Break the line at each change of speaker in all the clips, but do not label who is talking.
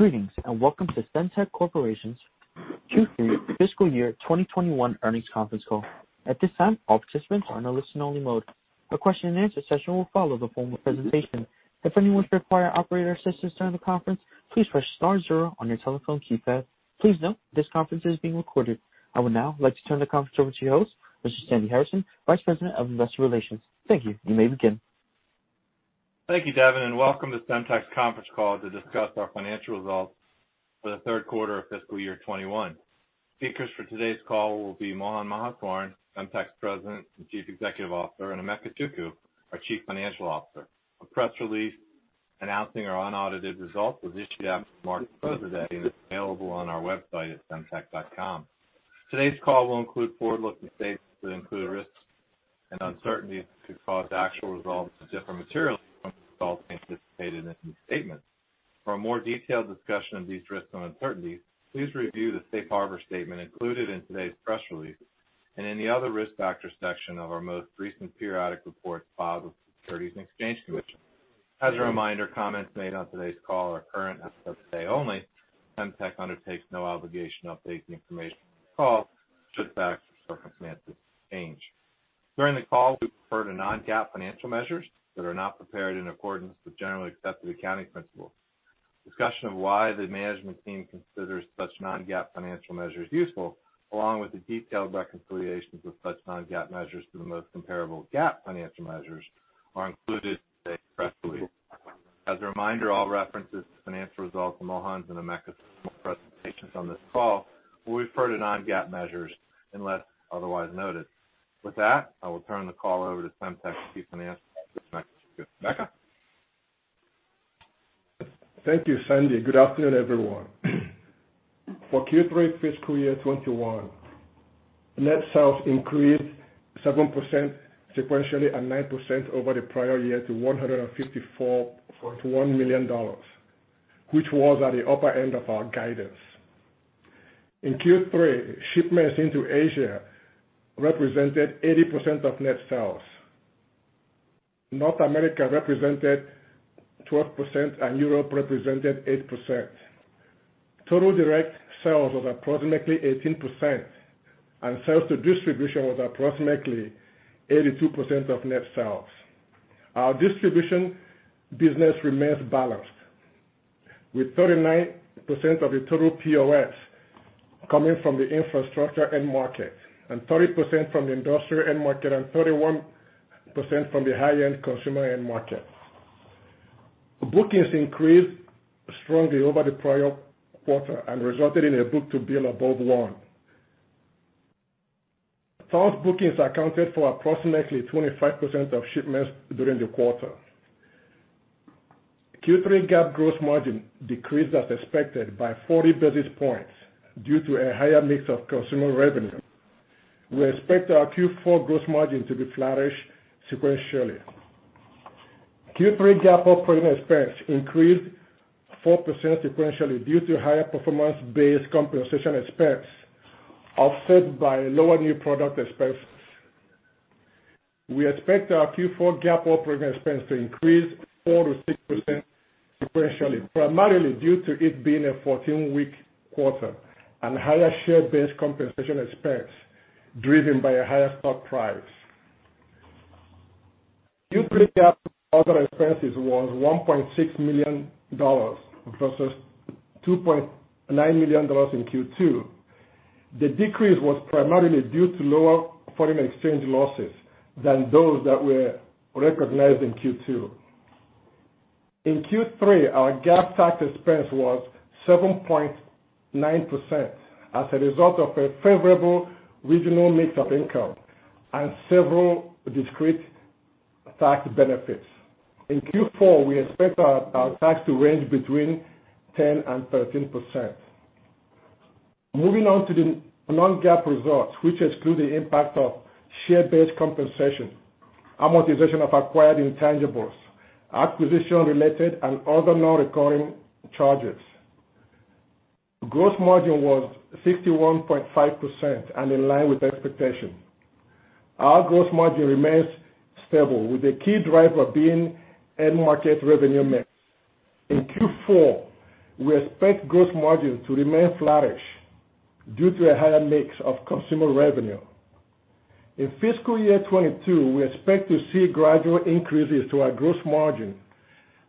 Greetings, and welcome to Semtech Corporation's Q3 Fiscal Year 2021 Earnings Conference Call. At this time, all participants are in a listen-only mode. A question-and-answer session will follow the formal presentation. Please note this conference is being recorded. I would now like to turn the conference over to your host, Mr. Sandy Harrison, Vice President of Investor Relations. Thank you. You may begin.
Thank you, Devin, and welcome to Semtech's conference call to discuss our financial results for the third quarter of fiscal year 2021. Speakers for today's call will be Mohan Maheswaran, Semtech's President and Chief Executive Officer, and Emeka Chukwu, our Chief Financial Officer. A press release announcing our unaudited results was issued after market close today and is available on our website at semtech.com. Today's call will include forward-looking statements that include risks and uncertainties that could cause actual results to differ materially from the results anticipated in these statements. For a more detailed discussion of these risks and uncertainties, please review the safe harbor statement included in today's press release and in the Other Risk Factors section of our most recent periodic report filed with the Securities and Exchange Commission. As a reminder, comments made on today's call are current as of today only. Semtech undertakes no obligation to update the information on this call to reflect events that may change. During the call, we refer to non-GAAP financial measures that are not prepared in accordance with generally accepted accounting principles. Discussion of why the management team considers such non-GAAP financial measures useful, along with the detailed reconciliations of such non-GAAP measures to the most comparable GAAP financial measures, are included in today's press release. As a reminder, all references to financial results from Mohan's and Emeka's presentations on this call will refer to non-GAAP measures unless otherwise noted. With that, I will turn the call over to Semtech's Chief Financial Officer, Emeka Chukwu. Emeka?
Thank you, Sandy. Good afternoon, everyone. For Q3 fiscal year 2021, net sales increased 7% sequentially and 9% over the prior year to $154.1 million, which was at the upper end of our guidance. In Q3, shipments into Asia represented 80% of net sales. North America represented 12%, and Europe represented 8%. Total direct sales was approximately 18%, and sales to distribution was approximately 82% of net sales. Our distribution business remains balanced, with 39% of the total POS coming from the infrastructure end market, and 30% from the industrial end market, and 31% from the high-end consumer end market. Bookings increased strongly over the prior quarter and resulted in a book-to-bill above 1. SaaS bookings accounted for approximately 25% of shipments during the quarter. Q3 GAAP gross margin decreased as expected by 40 basis points due to a higher mix of consumer revenue. We expect our Q4 gross margin to be flat-ish sequentially. Q3 GAAP operating expense increased 4% sequentially due to higher performance-based compensation expense, offset by lower new product expenses. We expect our Q4 GAAP operating expense to increase 4% to 6% sequentially, primarily due to it being a 14-week quarter and higher share-based compensation expense driven by a higher stock price. Q3 GAAP other expenses was $1.6 million versus $2.9 million in Q2. The decrease was primarily due to lower foreign exchange losses than those that were recognized in Q2. In Q3, our GAAP tax expense was 7.9% as a result of a favorable regional mix of income and several discrete tax benefits. In Q4, we expect our tax to range between 10% and 13%. Moving on to the non-GAAP results, which exclude the impact of share-based compensation, amortization of acquired intangibles, acquisition-related, and other non-recurring charges. Gross margin was 61.5% and in line with expectation. Our gross margin remains stable, with the key driver being end market revenue mix. In Q4, we expect gross margin to remain flat-ish due to a higher mix of consumer revenue. In fiscal year 2022, we expect to see gradual increases to our gross margin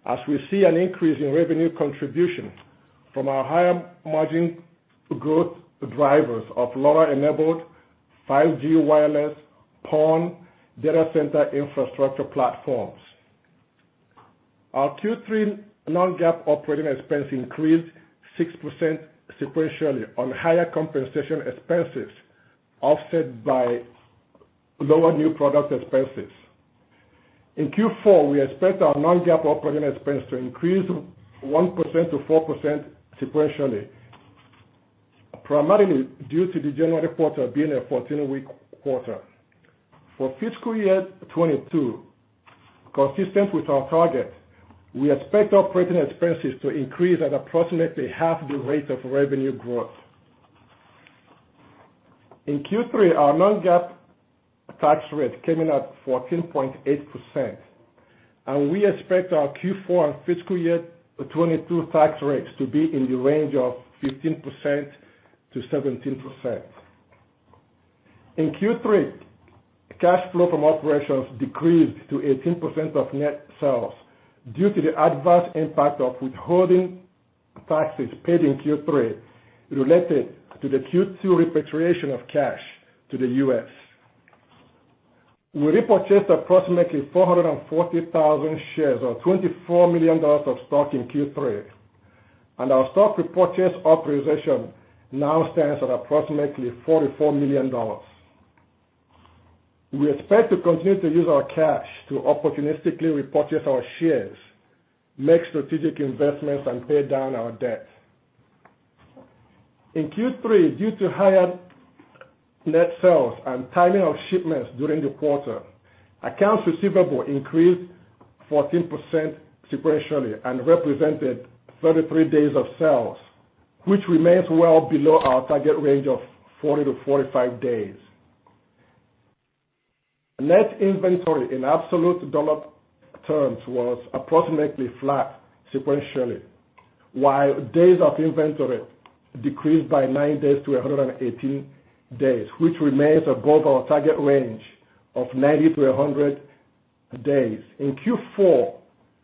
as we see an increase in revenue contribution from our higher margin growth drivers of LoRa-enabled 5G wireless PON data center infrastructure platforms. Our Q3 non-GAAP operating expense increased 6% sequentially on higher compensation expenses offset by lower new product expenses. In Q4, we expect our non-GAAP operating expense to increase 1% to 4% sequentially, primarily due to the January quarter being a 14-week quarter. For fiscal year 2022, consistent with our target, we expect operating expenses to increase at approximately half the rate of revenue growth. In Q3, our non-GAAP tax rate came in at 14.8%, and we expect our Q4 and fiscal year 2022 tax rates to be in the range of 15%-17%. In Q3, cash flow from operations decreased to 18% of net sales due to the adverse impact of withholding taxes paid in Q3 related to the Q2 repatriation of cash to the U.S. We repurchased approximately 440,000 shares or $24 million of stock in Q3, and our stock repurchase authorization now stands at approximately $44 million. We expect to continue to use our cash to opportunistically repurchase our shares, make strategic investments, and pay down our debt. In Q3, due to higher net sales and timing of shipments during the quarter, accounts receivable increased 14% sequentially and represented 33 days of sales, which remains well below our target range of 40-45 days. Net inventory in absolute dollar terms was approximately flat sequentially, while days of inventory decreased by nine days to 118 days, which remains above our target range of 90-100 days. In Q4,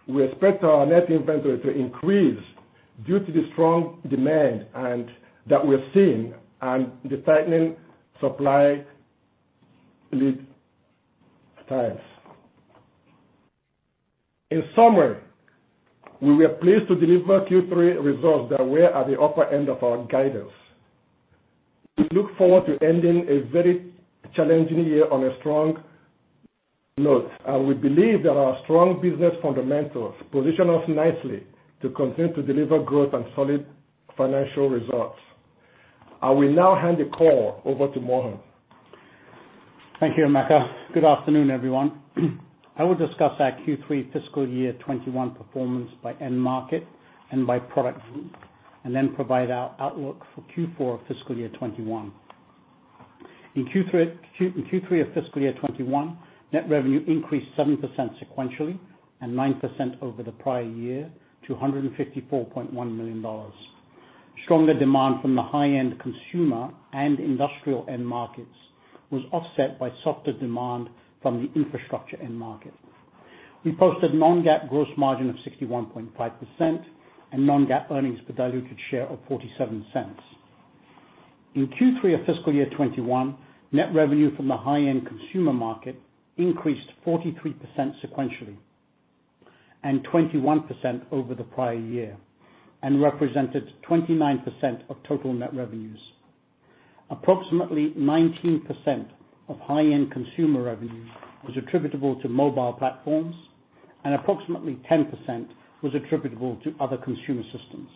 we expect our net inventory to increase due to the strong demand that we're seeing and the tightening supply lead times. In summary, we were pleased to deliver Q3 results that were at the upper end of our guidance. We look forward to ending a very challenging year on a strong note, and we believe that our strong business fundamentals position us nicely to continue to deliver growth and solid financial results. I will now hand the call over to Mohan.
Thank you, Emeka. Good afternoon, everyone. I will discuss our Q3 fiscal year 2021 performance by end market and by product group, and then provide our outlook for Q4 fiscal year 2021. In Q3 of fiscal year 2021, net revenue increased 7% sequentially and 9% over the prior year to $154.1 million. Stronger demand from the high-end consumer and industrial end markets was offset by softer demand from the infrastructure end market. We posted non-GAAP gross margin of 61.5% and non-GAAP earnings per diluted share of $0.47. In Q3 of fiscal year 2021, net revenue from the high-end consumer market increased 43% sequentially and 21% over the prior year and represented 29% of total net revenues. Approximately 19% of high-end consumer revenue was attributable to mobile platforms and approximately 10% was attributable to other consumer systems.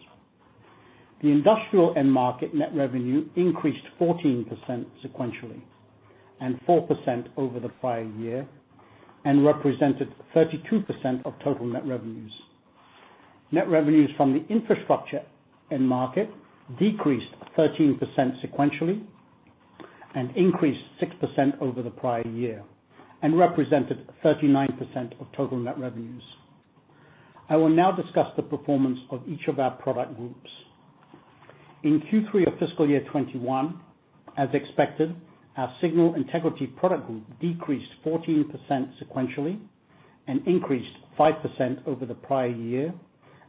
The industrial end market net revenue increased 14% sequentially and 4% over the prior year and represented 32% of total net revenues. Net revenues from the infrastructure end market decreased 13% sequentially and increased 6% over the prior year and represented 39% of total net revenues. I will now discuss the performance of each of our product groups. In Q3 of fiscal year 2021, as expected, our signal integrity product group decreased 14% sequentially and increased 5% over the prior year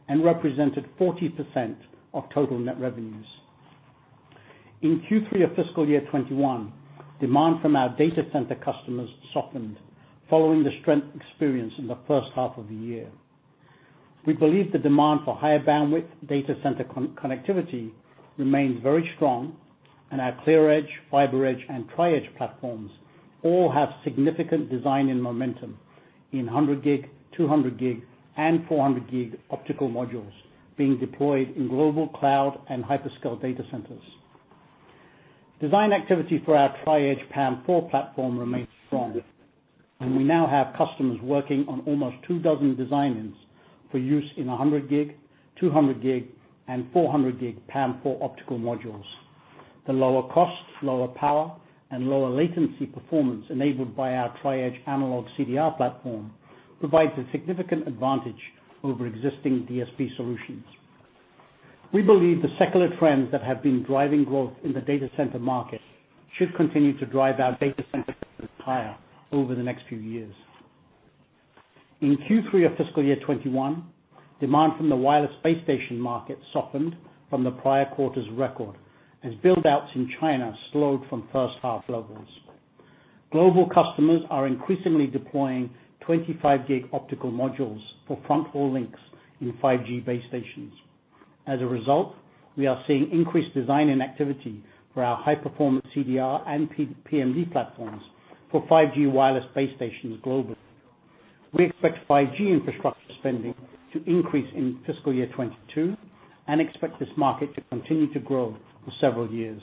and represented 40% of total net revenues. In Q3 of fiscal year 2021, demand from our data center customers softened following the strength experienced in the first half of the year. We believe the demand for higher bandwidth data center connectivity remains very strong and our ClearEdge, FiberEdge, and Tri-Edge platforms all have significant design-in momentum in 100G, 200G, and 400G optical modules being deployed in global cloud and hyperscale data centers. Design activity for our Tri-Edge PAM4 platform remains strong, and we now have customers working on almost 2 dozen design wins for use in 100G, 200G, and 400G PAM4 optical modules. The lower cost, lower power, and lower latency performance enabled by our Tri-Edge analog CDR platform provides a significant advantage over existing DSP solutions. We believe the secular trends that have been driving growth in the data center market should continue to drive our data center growth higher over the next few years. In Q3 of fiscal year 2021, demand from the wireless base station market softened from the prior quarter's record as build-outs in China slowed from first half levels. Global customers are increasingly deploying 25G optical modules for front-haul links in 5G base stations. As a result, we are seeing increased design-in activity for our high-performance CDR and PMD platforms for 5G wireless base stations globally. We expect 5G infrastructure spending to increase in fiscal year 2022 and expect this market to continue to grow for several years.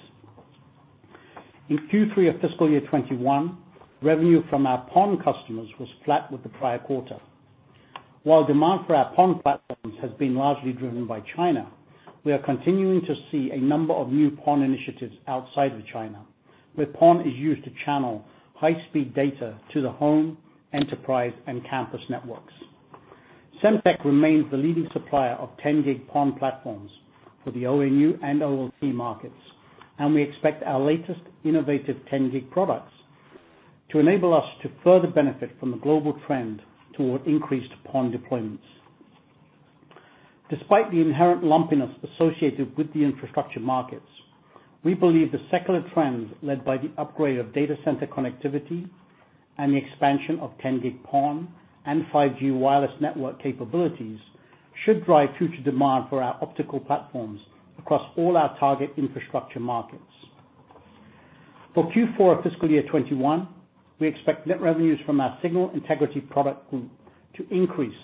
In Q3 of fiscal year 2021, revenue from our PON customers was flat with the prior quarter. While demand for our PON platforms has been largely driven by China, we are continuing to see a number of new PON initiatives outside of China, where PON is used to channel high-speed data to the home, enterprise, and campus networks. Semtech remains the leading supplier of 10G PON platforms for the ONU and OLT markets. We expect our latest innovative 10G products to enable us to further benefit from the global trend toward increased PON deployments. Despite the inherent lumpiness associated with the infrastructure markets, we believe the secular trends led by the upgrade of data center connectivity and the expansion of 10 Gig PON and 5G wireless network capabilities should drive future demand for our optical platforms across all our target infrastructure markets. For Q4 fiscal year 2021, we expect net revenues from our signal integrity product group to increase,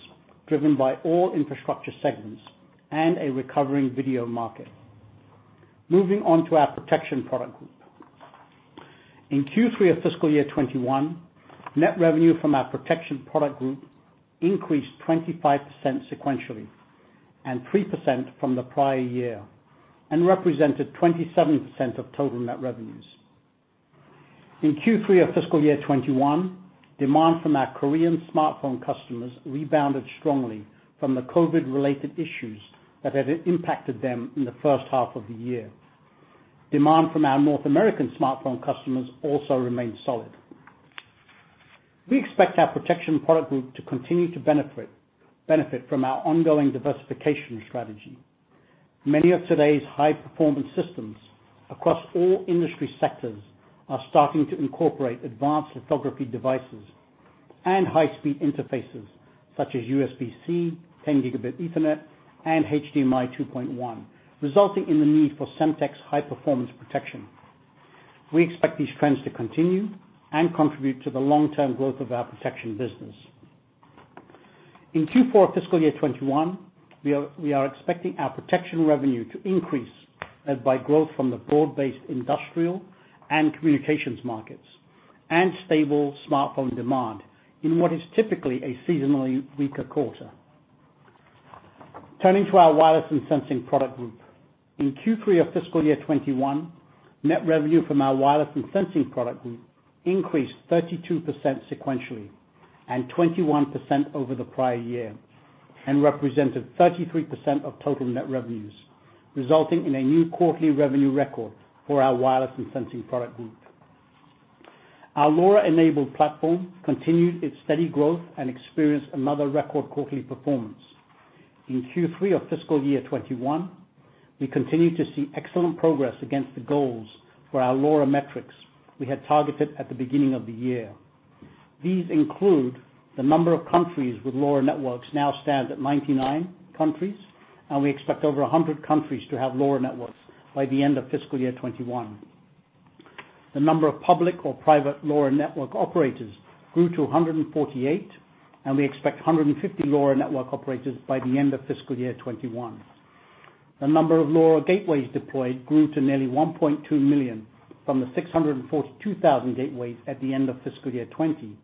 driven by all infrastructure segments and a recovering video market. Moving on to our protection product group. In Q3 of fiscal year 2021, net revenue from our protection product group increased 25% sequentially, and 3% from the prior year, and represented 27% of total net revenues. In Q3 of fiscal year 2021, demand from our Korean smartphone customers rebounded strongly from the COVID-related issues that had impacted them in the first half of the year. Demand from our North American smartphone customers also remained solid. We expect our protection product group to continue to benefit from our ongoing diversification strategy. Many of today's high-performance systems across all industry sectors are starting to incorporate advanced lithography devices and high-speed interfaces such as USB-C, 10 Gb Ethernet, and HDMI 2.1, resulting in the need for Semtech's high-performance protection. We expect these trends to continue and contribute to the long-term growth of our protection business. In Q4 fiscal year 2021, we are expecting our protection revenue to increase as by growth from the broad-based industrial and communications markets and stable smartphone demand in what is typically a seasonally weaker quarter. Turning to our wireless and sensing product group. In Q3 of fiscal year 2021, net revenue from our wireless and sensing product group increased 32% sequentially, and 21% over the prior year, and represented 33% of total net revenues, resulting in a new quarterly revenue record for our wireless and sensing product group. Our LoRa-enabled platform continued its steady growth and experienced another record quarterly performance. In Q3 of fiscal year 2021, we continued to see excellent progress against the goals for our LoRa metrics we had targeted at the beginning of the year. These include the number of countries with LoRa networks now stands at 99 countries, and we expect over 100 countries to have LoRa networks by the end of fiscal year 2021. The number of public or private LoRa network operators grew to 148, and we expect 150 LoRa network operators by the end of fiscal year 2021. The number of LoRa gateways deployed grew to nearly 1.2 million from the 642,000 gateways at the end of fiscal year 2020,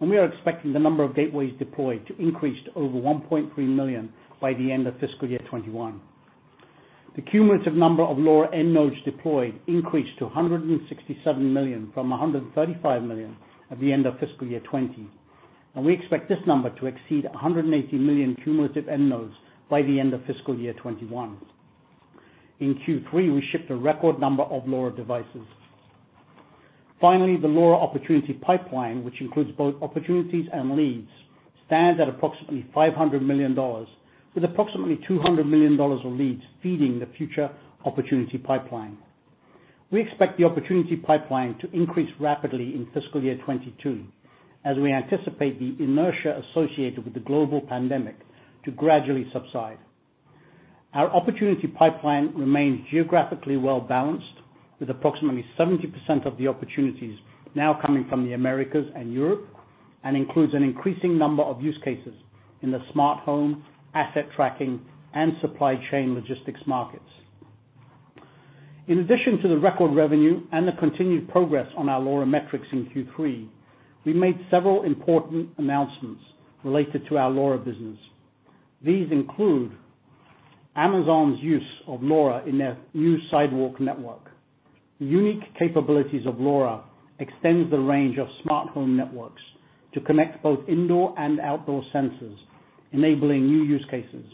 and we are expecting the number of gateways deployed to increase to over 1.3 million by the end of fiscal year 2021. The cumulative number of LoRa end nodes deployed increased to 167 million from 135 million at the end of fiscal year 2020, and we expect this number to exceed 180 million cumulative end nodes by the end of fiscal year 2021. In Q3, we shipped a record number of LoRa devices. Finally, the LoRa opportunity pipeline, which includes both opportunities and leads, stands at approximately $500 million, with approximately $200 million of leads feeding the future opportunity pipeline. We expect the opportunity pipeline to increase rapidly in fiscal year 2022, as we anticipate the inertia associated with the global pandemic to gradually subside. Our opportunity pipeline remains geographically well-balanced, with approximately 70% of the opportunities now coming from the Americas and Europe, and includes an increasing number of use cases in the smart home, asset tracking, and supply chain logistics markets. In addition to the record revenue and the continued progress on our LoRa metrics in Q3, we made several important announcements related to our LoRa business. These include Amazon's use of LoRa in their new Sidewalk network. The unique capabilities of LoRa extends the range of smartphone networks to connect both indoor and outdoor sensors, enabling new use cases.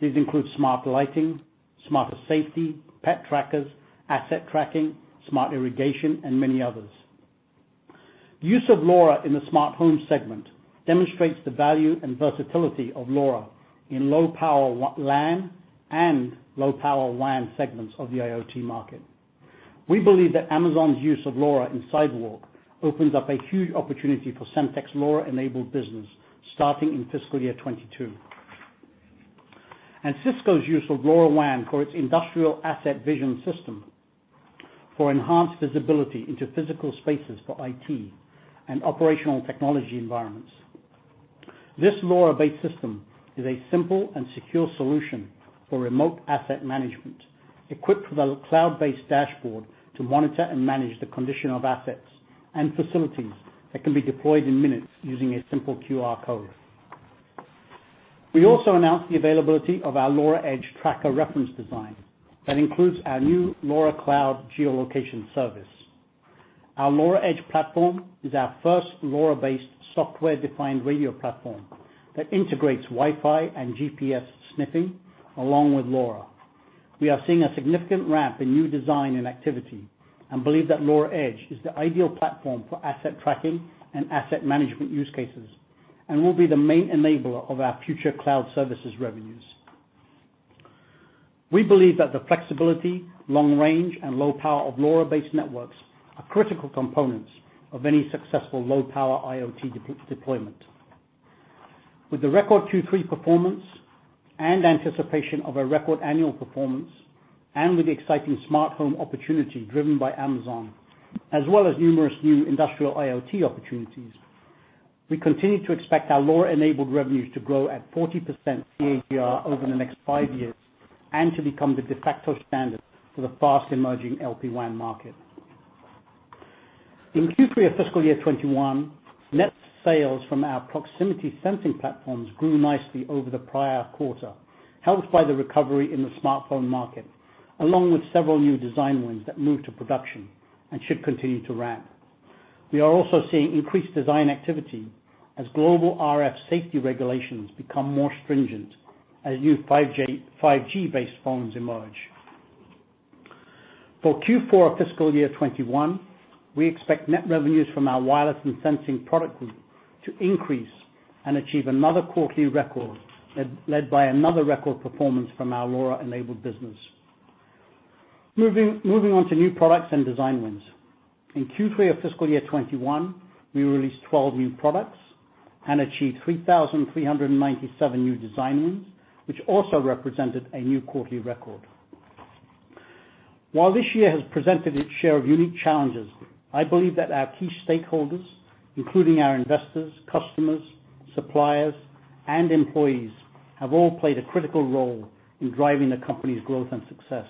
These include smart lighting, smarter safety, pet trackers, asset tracking, smart irrigation, and many others. Use of LoRa in the smart home segment demonstrates the value and versatility of LoRa in low-power LAN and low-power WAN segments of the IoT market. We believe that Amazon's use of LoRa in Sidewalk opens up a huge opportunity for Semtech's LoRa-enabled business starting in fiscal year 2022. Cisco's use of LoRaWAN for its Industrial Asset Vision system for enhanced visibility into physical spaces for IT and operational technology environments. This LoRa-based system is a simple and secure solution for remote asset management, equipped with a cloud-based dashboard to monitor and manage the condition of assets and facilities that can be deployed in minutes using a simple QR code. We also announced the availability of our LoRa Edge tracker reference design that includes our new LoRa Cloud geolocation service. Our LoRa Edge platform is our first LoRa-based software-defined radio platform that integrates Wi-Fi and GPS sniffing along with LoRa. We are seeing a significant ramp in new design and activity and believe that LoRa Edge is the ideal platform for asset tracking and asset management use cases and will be the main enabler of our future cloud services revenues. We believe that the flexibility, long range, and low power of LoRa-based networks are critical components of any successful low-power IoT deployment. With the record Q3 performance and anticipation of a record annual performance, and with the exciting smart home opportunity driven by Amazon, as well as numerous new industrial IoT opportunities, we continue to expect our LoRa-enabled revenues to grow at 40% CAGR over the next five years, and to become the de facto standard for the fast-emerging LPWAN market. In Q3 of fiscal year 2021, net sales from our proximity sensing platforms grew nicely over the prior quarter, helped by the recovery in the smartphone market, along with several new design wins that moved to production and should continue to ramp. We are also seeing increased design activity as global RF safety regulations become more stringent as new 5G-based phones emerge. For Q4 fiscal year 2021, we expect net revenues from our wireless and sensing product group to increase and achieve another quarterly record, led by another record performance from our LoRa-enabled business. Moving on to new products and design wins. In Q3 of fiscal year 2021, we released 12 new products and achieved 3,397 new design wins, which also represented a new quarterly record. While this year has presented its share of unique challenges, I believe that our key stakeholders, including our investors, customers, suppliers, and employees, have all played a critical role in driving the company's growth and success.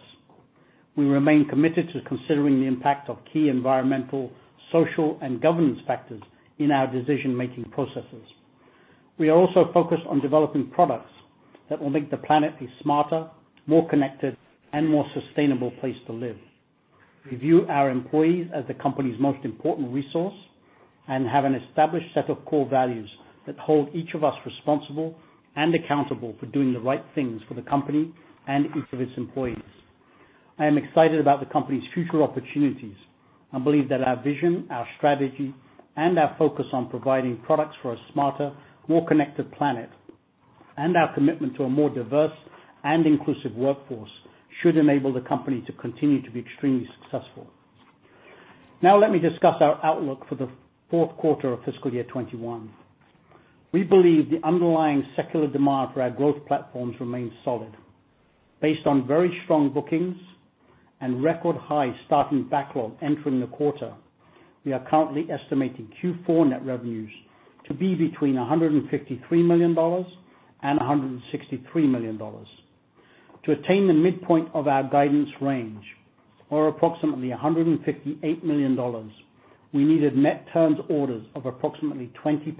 We remain committed to considering the impact of key environmental, social, and governance factors in our decision-making processes. We are also focused on developing products that will make the planet a smarter, more connected, and more sustainable place to live. We view our employees as the company's most important resource and have an established set of core values that hold each of us responsible and accountable for doing the right things for the company and each of its employees. I am excited about the company's future opportunities and believe that our vision, our strategy, and our focus on providing products for a smarter, more connected planet, and our commitment to a more diverse and inclusive workforce should enable the company to continue to be extremely successful. Let me discuss our outlook for the fourth quarter of fiscal year 2021. We believe the underlying secular demand for our growth platforms remains solid. Based on very strong bookings and record high starting backlog entering the quarter, we are currently estimating Q4 net revenues to be between $153 million and $163 million. To attain the midpoint of our guidance range, or approximately $158 million, we needed net turns orders of approximately 20%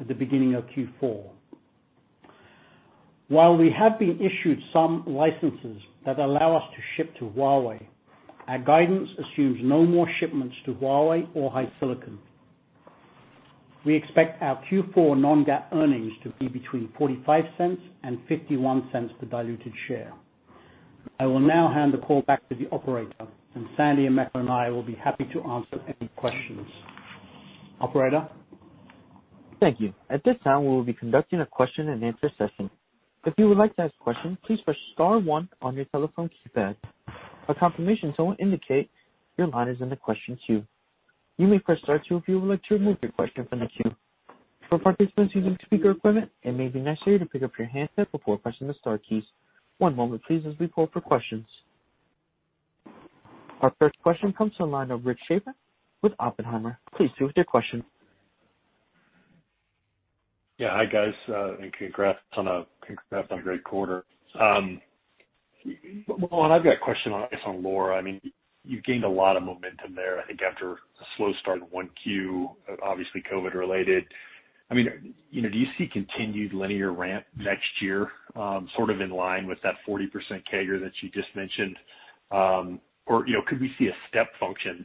at the beginning of Q4. While we have been issued some licenses that allow us to ship to Huawei, our guidance assumes no more shipments to Huawei or HiSilicon. We expect our Q4 non-GAAP earnings to be between $0.45 and $0.51 per diluted share. I will now hand the call back to the operator. Sandy and Emeka and I will be happy to answer any questions. Operator?
Thank you. At this time we will be conducting a question-and-answer session. If you would like to ask a question, please press star one on your telephone keypad. A confirmation song indicates your line is in the question queue. You may press star two if you would like to remove the question from the queue. For participants using speaker phone, amazing, make sure to pick up your handset before pressing the star keys. One moment please as we pause for questions. Our first question comes from the line of Rick Schafer with Oppenheimer. Please proceed with your question.
Yeah. Hi, guys, and congrats on a great quarter. Mohan, I've got a question on LoRa. You've gained a lot of momentum there, I think after a slow start in 1Q, obviously COVID related. Do you see continued linear ramp next year, sort of in line with that 40% CAGR that you just mentioned? Could we see a step function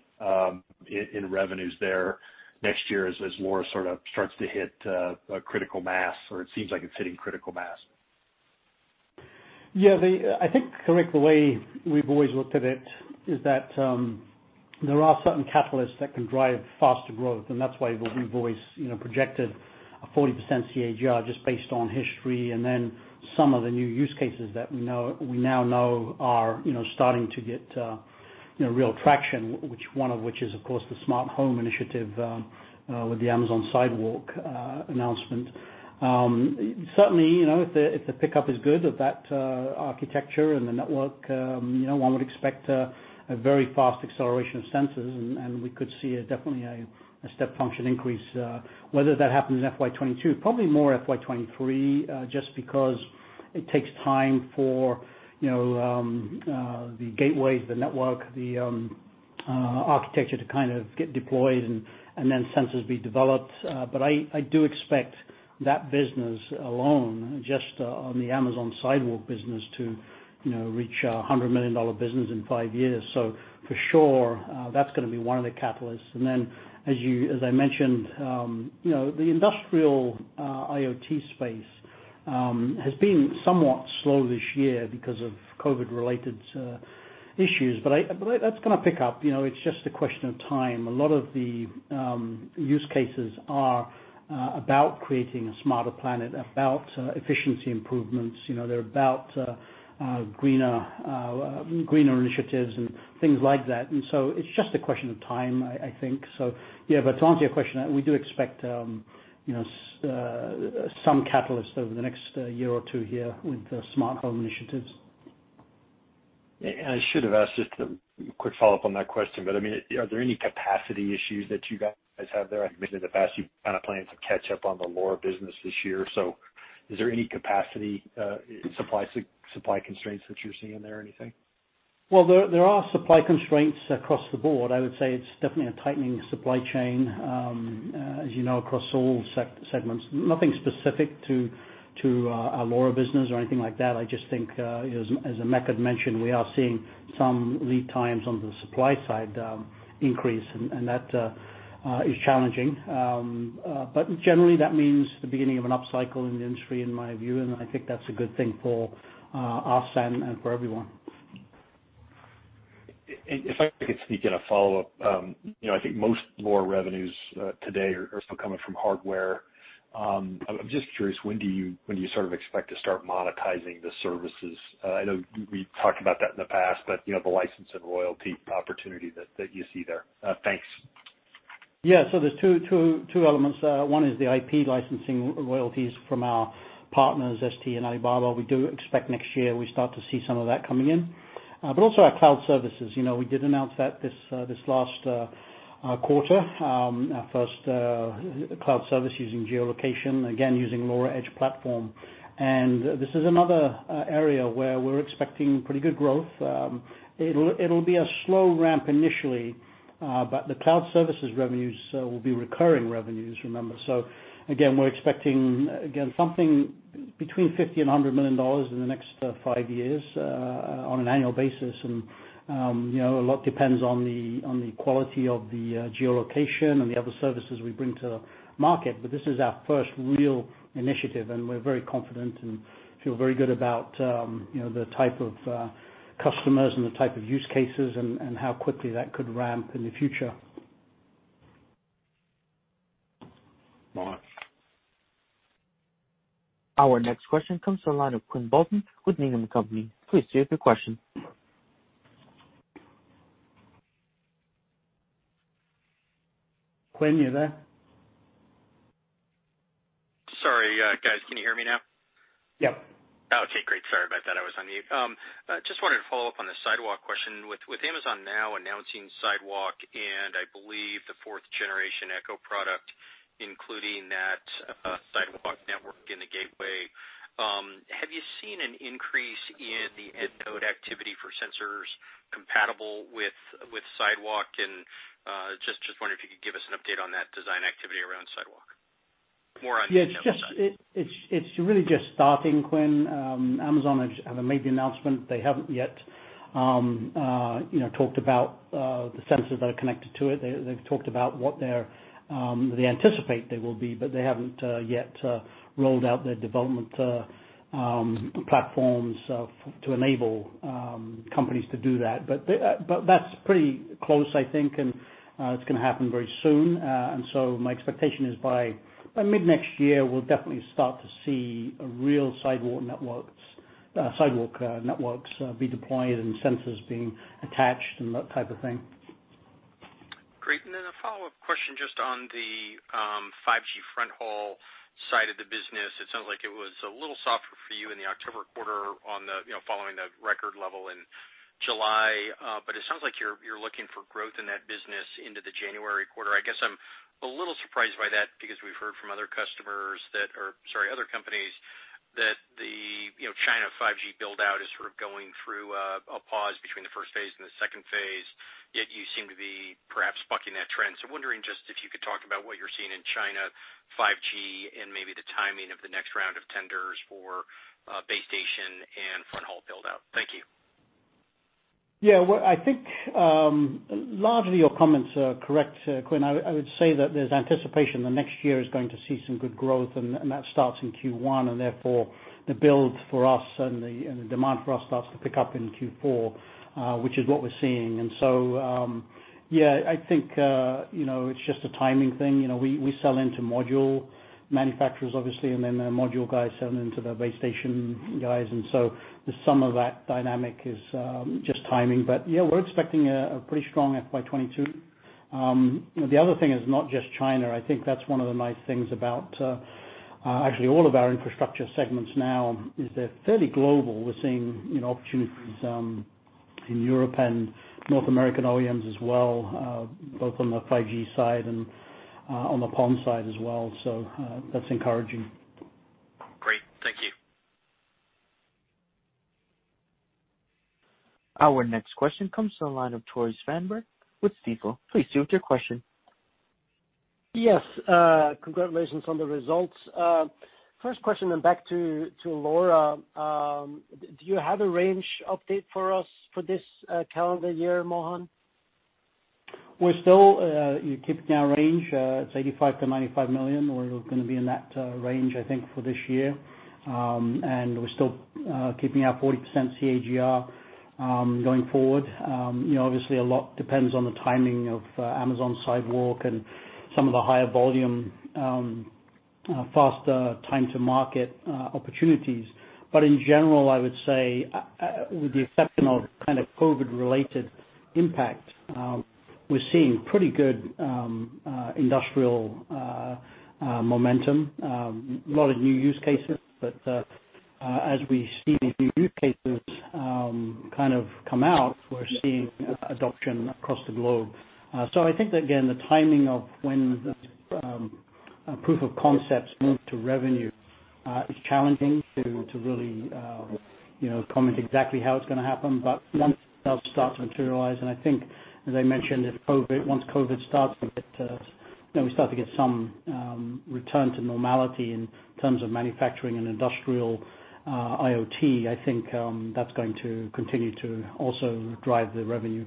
in revenues there next year as LoRa sort of starts to hit a critical mass, or it seems like it's hitting critical mass?
Yeah. I think, Rick, the way we've always looked at it is that there are certain catalysts that can drive faster growth, and that's why we've always projected a 40% CAGR just based on history and then some of the new use cases that we now know are starting to get real traction, one of which is, of course, the smart home initiative with the Amazon Sidewalk announcement. Certainly, if the pickup is good of that architecture and the network, one would expect a very fast acceleration of sensors, and we could see definitely a step function increase. Whether that happens in FY 2022, probably more FY 2023, just because it takes time for the gateways, the network, the architecture to get deployed and then sensors be developed. I do expect that business alone, just on the Amazon Sidewalk business, to reach a $100 million business in five years. For sure, that's going to be one of the catalysts. As I mentioned, the industrial IoT space has been somewhat slow this year because of COVID-related issues. That's going to pick up, it's just a question of time. A lot of the use cases are about creating a smarter planet, about efficiency improvements. They're about greener initiatives and things like that. It's just a question of time, I think. To answer your question, we do expect some catalysts over the next year or two here with the smart home initiatives.
I should have asked just a quick follow-up on that question, but are there any capacity issues that you guys have there? I've mentioned in the past, you're planning to catch up on the LoRa business this year. Is there any capacity supply constraints that you're seeing there or anything?
Well, there are supply constraints across the board. I would say it's definitely a tightening supply chain, as you know, across all segments. Nothing specific to our LoRa business or anything like that. I just think, as Emeka had mentioned, we are seeing some lead times on the supply side increase and that is challenging. Generally, that means the beginning of an upcycle in the industry, in my view, and I think that's a good thing for us and for everyone.
If I could sneak in a follow-up. I think most LoRa revenues today are still coming from hardware. I'm just curious, when do you expect to start monetizing the services? I know we talked about that in the past, but the license and royalty opportunity that you see there. Thanks.
There's two elements. One is the IP licensing royalties from our partners, ST and Alibaba. We do expect next year we start to see some of that coming in. But also our cloud services. We did announce that this last quarter. Our first cloud service using geolocation, again, using LoRa Edge platform. And this is another area where we're expecting pretty good growth. It'll be a slow ramp initially, but the cloud services revenues will be recurring revenues, remember. Again, we're expecting something between $50 million and $100 million in the next five years, on an annual basis. And a lot depends on the quality of the geolocation and the other services we bring to the market. This is our first real initiative, and we're very confident and feel very good about the type of customers and the type of use cases and how quickly that could ramp in the future.
Got it.
Our next question comes from the line of Quinn Bolton with Needham & Company. Please state your question.
Quinn, you there?
Sorry, guys. Can you hear me now?
Yep.
Okay, great. Sorry about that. I was on mute. Just wanted to follow up on the Sidewalk question. With Amazon now announcing Sidewalk, and I believe the fourth generation Echo product, including that Sidewalk network in the gateway, have you seen an increase in the end node activity for sensors compatible with Sidewalk? Just wondering if you could give us an update on that design activity around Sidewalk. More on the network side.
It's really just starting, Quinn. Amazon have made the announcement. They haven't yet talked about the sensors that are connected to it. They've talked about what they anticipate they will be, but they haven't yet rolled out their development platforms to enable companies to do that. That's pretty close, I think, and it's going to happen very soon. My expectation is by mid-next year, we'll definitely start to see real Sidewalk networks be deployed and sensors being attached and that type of thing.
Great. Then a follow-up question just on the 5G front haul side of the business. It sounds like it was a little softer for you in the October quarter following the record level in July. It sounds like you're looking for growth in that business into the January quarter. I guess I'm a little surprised by that because we've heard from other companies that the China 5G build-out is sort of going through a pause between the first phase and the second phase, yet you seem to be perhaps bucking that trend. Wondering just if you could talk about what you're seeing in China 5G and maybe the timing of the next round of tenders for base station and front haul build-out. Thank you.
Yeah. Well, I think largely your comments are correct, Quinn. I would say that there's anticipation that next year is going to see some good growth, and that starts in Q1, and therefore the build for us and the demand for us starts to pick up in Q4, which is what we're seeing. Yeah, I think it's just a timing thing. We sell into module manufacturers, obviously, and then the module guys sell into the base station guys, and so the sum of that dynamic is just timing. Yeah, we're expecting a pretty strong FY 2022. The other thing is not just China. I think that's one of the nice things about actually all of our infrastructure segments now is they're fairly global. We're seeing opportunities in Europe and North American OEMs as well, both on the 5G side and on the PON side as well. That's encouraging.
Our next question comes to the line of Tore Svanberg with Stifel. Please go with your question.
Yes. Congratulations on the results. First question, back to LoRa. Do you have a range update for us for this calendar year, Mohan?
We're still keeping our range. It's $85 million-$95 million. We're going to be in that range, I think, for this year. We're still keeping our 40% CAGR, going forward. Obviously, a lot depends on the timing of Amazon Sidewalk and some of the higher volume, faster time to market opportunities. In general, I would say, with the exception of kind of COVID related impact, we're seeing pretty good industrial momentum. A lot of new use cases, but as we see these new use cases kind of come out, we're seeing adoption across the globe. I think that, again, the timing of when the proof of concepts move to revenue is challenging to really comment exactly how it's going to happen. Once they'll start to materialize, and I think, as I mentioned, once COVID, we start to get some return to normality in terms of manufacturing and industrial IoT, I think that's going to continue to also drive the revenue.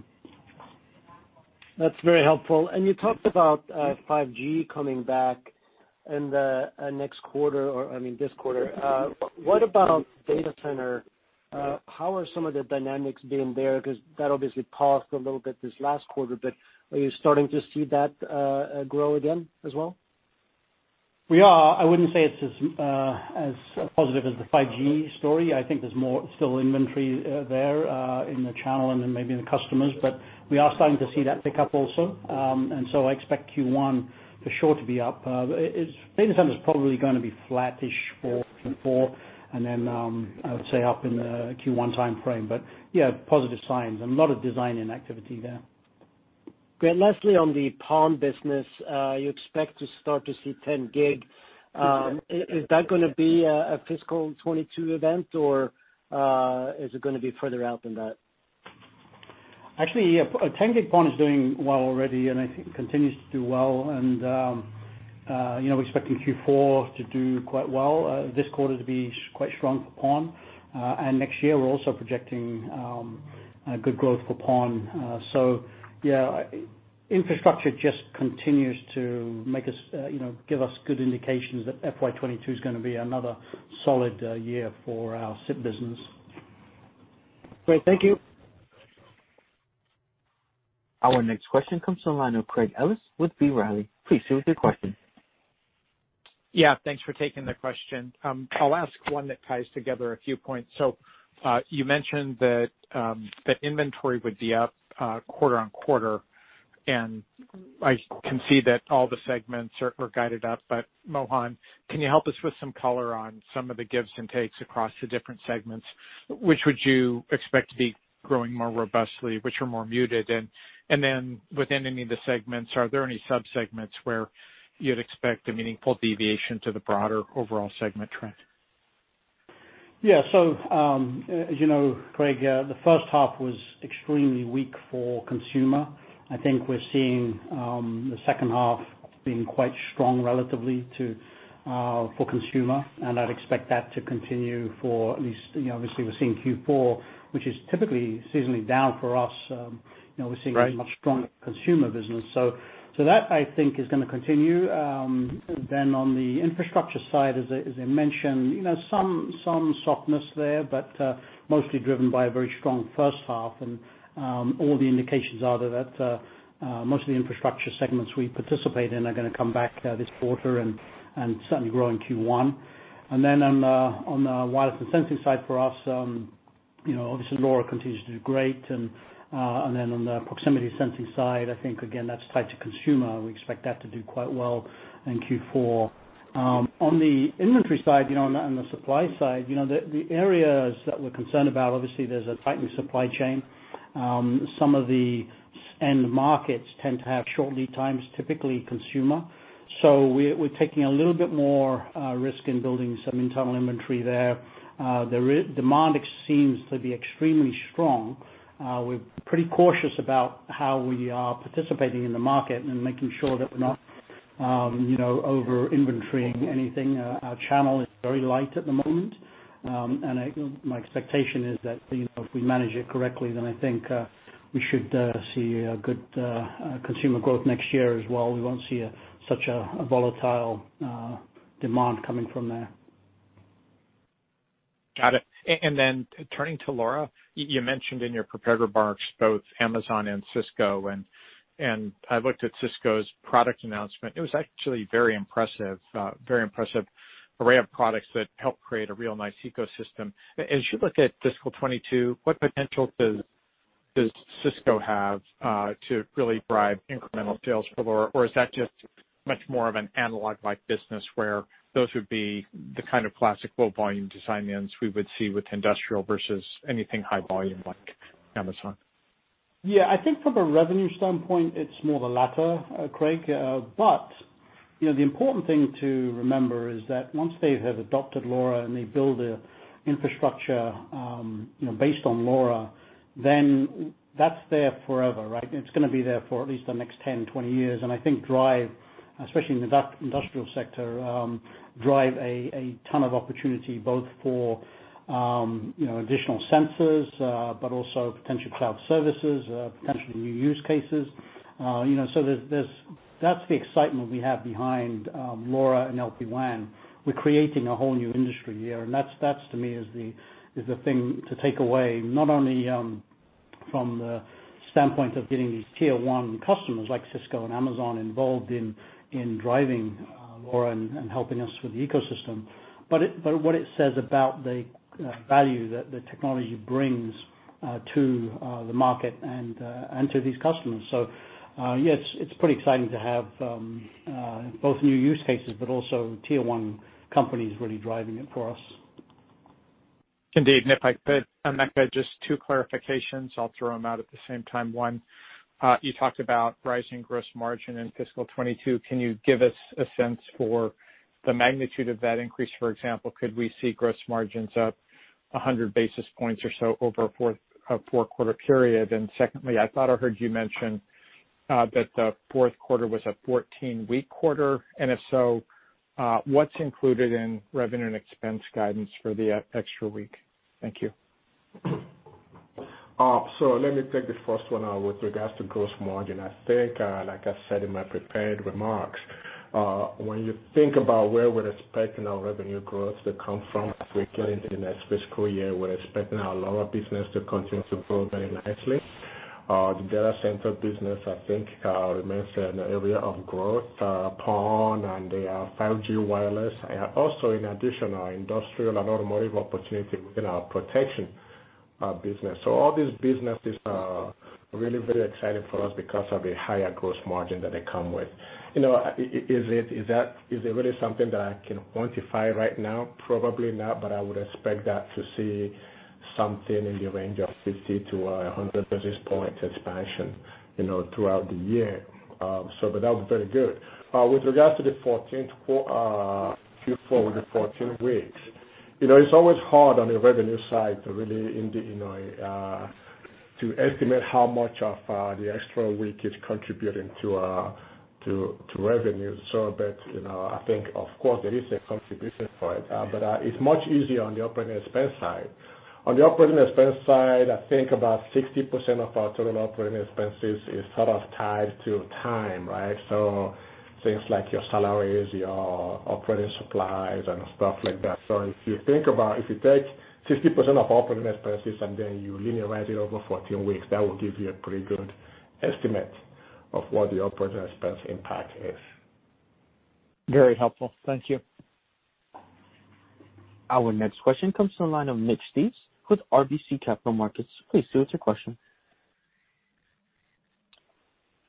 That's very helpful. You talked about 5G coming back in the next quarter, or I mean this quarter. What about data center?
Yeah.
How are some of the dynamics been there? That obviously paused a little bit this last quarter, but are you starting to see that grow again as well?
We are. I wouldn't say it's as positive as the 5G story. I think there's more still inventory there, in the channel and then maybe in the customers, but we are starting to see that pick up also. I expect Q1 for sure to be up. Data center's probably going to be flat-ish for Q4 and then, I would say up in the Q1 timeframe. Yeah, positive signs and a lot of design-in activity there.
Great. Lastly, on the PON business, you expect to start to see 10 gig. Is that gonna be a fiscal 2022 event or is it gonna be further out than that?
Actually, yeah, 10G PON is doing well already. I think continues to do well. We're expecting Q4 to do quite well, this quarter to be quite strong for PON. Next year we're also projecting good growth for PON. Yeah, infrastructure just continues to give us good indications that FY 2022 is gonna be another solid year for our SIP business.
Great. Thank you.
Our next question comes from the line of Craig Ellis with B. Riley. Please proceed with your question.
Yeah. Thanks for taking the question. I'll ask one that ties together a few points. You mentioned that inventory would be up quarter-over-quarter, and I can see that all the segments are guided up. Mohan, can you help us with some color on some of the gives and takes across the different segments? Which would you expect to be growing more robustly, which are more muted? Then within any of the segments, are there any sub-segments where you'd expect a meaningful deviation to the broader overall segment trend?
Yeah. As you know, Craig, the first half was extremely weak for consumer. I think we're seeing the second half being quite strong relatively for consumer. I'd expect that to continue for at least, obviously we're seeing Q4, which is typically seasonally down for us.
Right.
We're seeing a much stronger consumer business. That I think is gonna continue. On the infrastructure side, as I mentioned, some softness there, but mostly driven by a very strong first half and all the indications are that most of the infrastructure segments we participate in are gonna come back this quarter and certainly grow in Q1. On the wireless and sensing side for us, obviously LoRa continues to do great. On the proximity sensing side, I think again, that's tied to consumer. We expect that to do quite well in Q4. On the inventory side, and the supply side, the areas that we're concerned about, obviously there's a tightened supply chain. Some of the end markets tend to have short lead times, typically consumer. We're taking a little bit more risk in building some internal inventory there. The demand seems to be extremely strong. We're pretty cautious about how we are participating in the market and making sure that we're not over-inventorying anything. Our channel is very light at the moment. My expectation is that if we manage it correctly, I think we should see a good consumer growth next year as well. We won't see such a volatile demand coming from there.
Got it. Turning to LoRa, you mentioned in your prepared remarks, both Amazon and Cisco. I looked at Cisco's product announcement. It was actually very impressive. Very impressive array of products that help create a real nice ecosystem. As you look at FY 2022, what potential does Cisco have to really drive incremental sales for LoRa? Is that just much more of an analog-like business where those would be the kind of classic low volume design-ins we would see with industrial versus anything high volume like Amazon?
Yeah, I think from a revenue standpoint, it's more the latter, Craig. The important thing to remember is that once they have adopted LoRa and they build their infrastructure based on LoRa, then that's there forever, right? It's going to be there for at least the next 10, 20 years, and I think drive, especially in the industrial sector, drive a ton of opportunity, both for additional sensors, but also potential cloud services, potential new use cases. That's the excitement we have behind LoRa and LPWAN. We're creating a whole new industry here, and that to me is the thing to take away, not only from the standpoint of getting these tier 1 customers like Cisco and Amazon involved in driving LoRa and helping us with the ecosystem, but what it says about the value that the technology brings to the market and to these customers. Yes, it's pretty exciting to have both new use cases, but also tier 1 companies really driving it for us.
Indeed. If I could, Emeka, just two clarifications. I'll throw them out at the same time. One, you talked about rising gross margin in fiscal 2022. Can you give us a sense for the magnitude of that increase? For example, could we see gross margins up 100 basis points or so over a four-quarter period? Secondly, I thought I heard you mention that the fourth quarter was a 14-week quarter, and if so, what's included in revenue and expense guidance for the extra week? Thank you.
Let me take the first one with regards to gross margin. I think, like I said in my prepared remarks, when you think about where we're expecting our revenue growth to come from as we get into the next fiscal year, we're expecting our LoRa business to continue to grow very nicely. The data center business, I think, remains an area of growth, PON and the 5G wireless, and also in addition, our industrial and automotive opportunity within our protection business. All these businesses are really very exciting for us because of the higher gross margin that they come with. Is it really something that I can quantify right now? Probably not, but I would expect that to see something in the range of 50 to 100 basis point expansion throughout the year. That was very good. With regards to the Q4 with the 14 weeks, it's always hard on the revenue side to really estimate how much of the extra week is contributing to revenue. But I think, of course, there is a contribution for it. But it's much easier on the operating expense side. On the operating expense side, I think about 60% of our total operating expenses is sort of tied to time. Things like your salaries, your operating supplies, and stuff like that. If you take 60% of operating expenses and then you linearize it over 14 weeks, that will give you a pretty good estimate of what the operating expense impact is.
Very helpful. Thank you.
Our next question comes from the line of Mitch Steves with RBC Capital Markets. Please, sir, what's your question?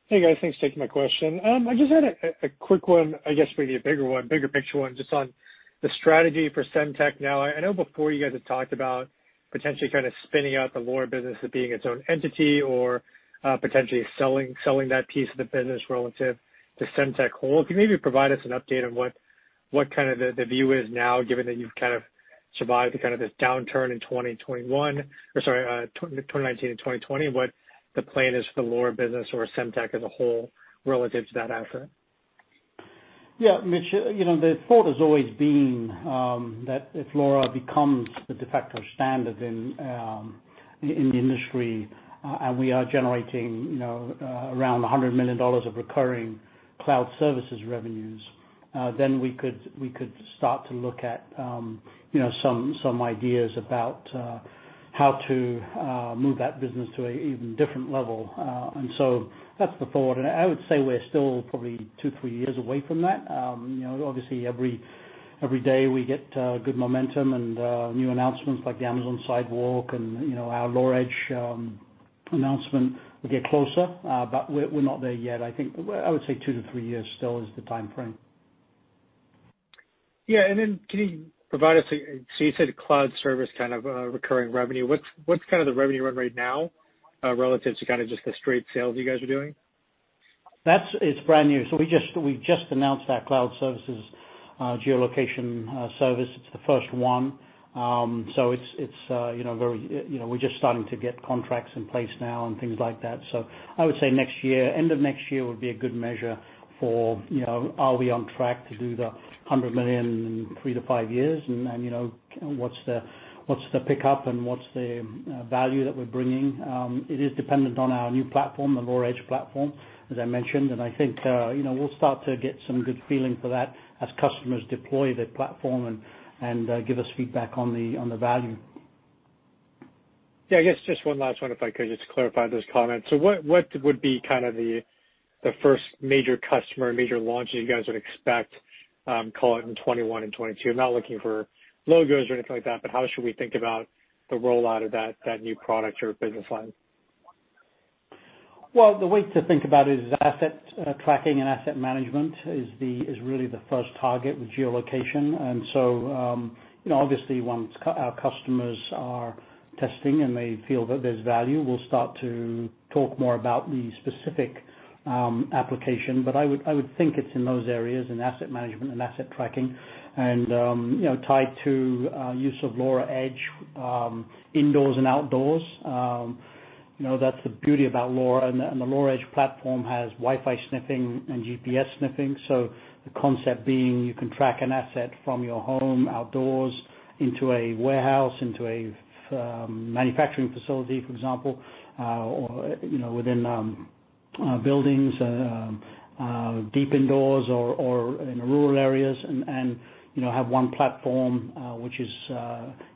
Hey, guys. Thanks for taking my question. I just had a quick one, I guess maybe a bigger one, bigger picture one, just on the strategy for Semtech now. I know before you guys have talked about potentially kind of spinning out the LoRa business as being its own entity or potentially selling that piece of the business relative to Semtech whole. Can you maybe provide us an update on what kind of the view is now, given that you've kind of survived the downturn in 2019 to 2020, what the plan is for the LoRa business or Semtech as a whole relative to that effort?
Mitch, the thought has always been that if LoRa becomes the de facto standard in the industry, and we are generating around $100 million of recurring cloud services revenues, then we could start to look at some ideas about how to move that business to an even different level. That's the thought. I would say we're still probably two, three years away from that. Obviously, every day we get good momentum and new announcements like the Amazon Sidewalk and our LoRa Edge announcement, we get closer, but we're not there yet. I think I would say two to three years still is the timeframe.
Yeah. Then can you provide us so you said cloud service kind of recurring revenue. What's kind of the revenue run rate now relative to kind of just the straight sales you guys are doing?
It's brand new. We just announced our LoRa Cloud geolocation service. It's the first one. We're just starting to get contracts in place now and things like that. I would say end of next year would be a good measure for are we on track to do the $100 million in three to five years, and what's the pickup and what's the value that we're bringing. It is dependent on our new platform, the LoRa Edge platform, as I mentioned, and I think we'll start to get some good feeling for that as customers deploy the platform and give us feedback on the value.
Yeah, I guess just one last one, if I could, just to clarify those comments. What would be the first major customer, major launch that you guys would expect, call it in 2021 and 2022? I'm not looking for logos or anything like that, how should we think about the rollout of that new product or business line?
Well, the way to think about it is asset tracking and asset management is really the first target with geolocation. Obviously once our customers are testing and they feel that there's value, we'll start to talk more about the specific application. I would think it's in those areas, in asset management and asset tracking and tied to use of LoRa Edge indoors and outdoors. That's the beauty about LoRa, the LoRa Edge platform has Wi-Fi sniffing and GPS sniffing. The concept being, you can track an asset from your home, outdoors, into a warehouse, into a manufacturing facility, for example or within buildings, deep indoors or in rural areas and have one platform, which is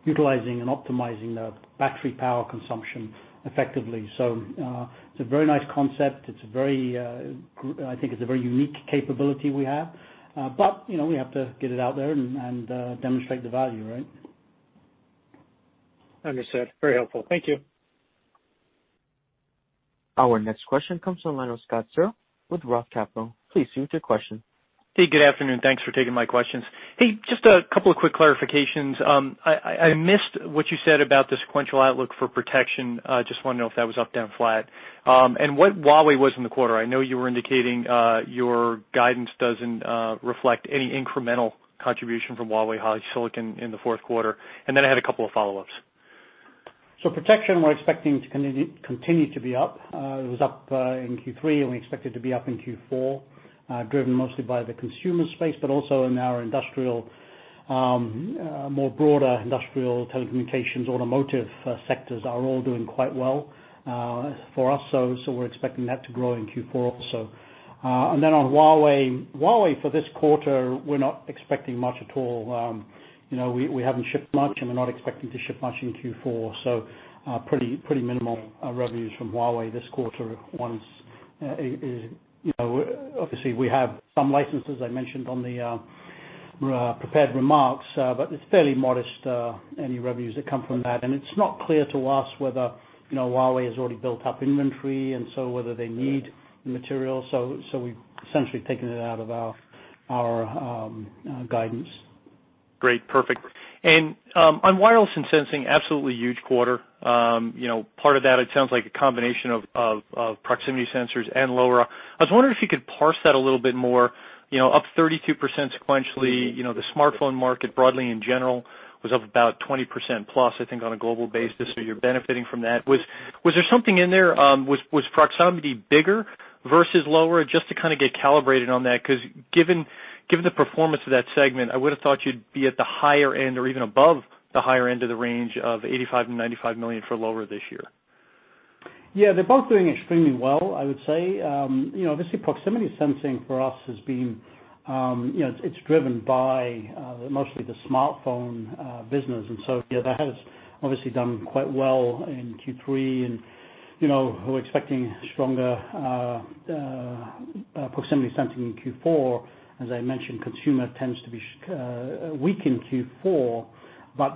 utilizing and optimizing the battery power consumption effectively. It's a very nice concept. I think it's a very unique capability we have. We have to get it out there and demonstrate the value, right?
Understood. Very helpful. Thank you.
Our next question comes from line of Scott Searle with ROTH Capital. Please proceed with your question.
Hey, good afternoon. Thanks for taking my questions. Hey, just a couple of quick clarifications. I missed what you said about the sequential outlook for protection. Just wanted to know if that was up, down, flat. What Huawei was in the quarter. I know you were indicating your guidance doesn't reflect any incremental contribution from Huawei HiSilicon in the fourth quarter. I had a couple of follow-ups.
Protection, we're expecting to continue to be up. It was up in Q3, and we expect it to be up in Q4, driven mostly by the consumer space, but also in our more broader industrial telecommunications, automotive sectors are all doing quite well for us. We're expecting that to grow in Q4 also. On Huawei. Huawei, for this quarter, we're not expecting much at all. We haven't shipped much, and we're not expecting to ship much in Q4. Pretty minimal revenues from Huawei this quarter. Obviously, we have some licenses I mentioned on the prepared remarks, but it's fairly modest, any revenues that come from that. It's not clear to us whether Huawei has already built up inventory and so whether they need the material. We've essentially taken it out of our guidance.
Great, perfect. On wireless and sensing, absolutely huge quarter. Part of that, it sounds like a combination of proximity sensors and LoRa. I was wondering if you could parse that a little bit more, up 32% sequentially. The smartphone market broadly in general was up about 20% plus, I think, on a global basis. You're benefiting from that. Was there something in there, was proximity bigger versus LoRa? Just to kind of get calibrated on that, because given the performance of that segment, I would've thought you'd be at the higher end or even above the higher end of the range of $85 million-$95 million for LoRa this year.
Yeah, they're both doing extremely well, I would say. Obviously, proximity sensing for us it's driven by mostly the smartphone business, and so yeah, that has obviously done quite well in Q3. We're expecting stronger proximity sensing in Q4. As I mentioned, consumer tends to be weak in Q4,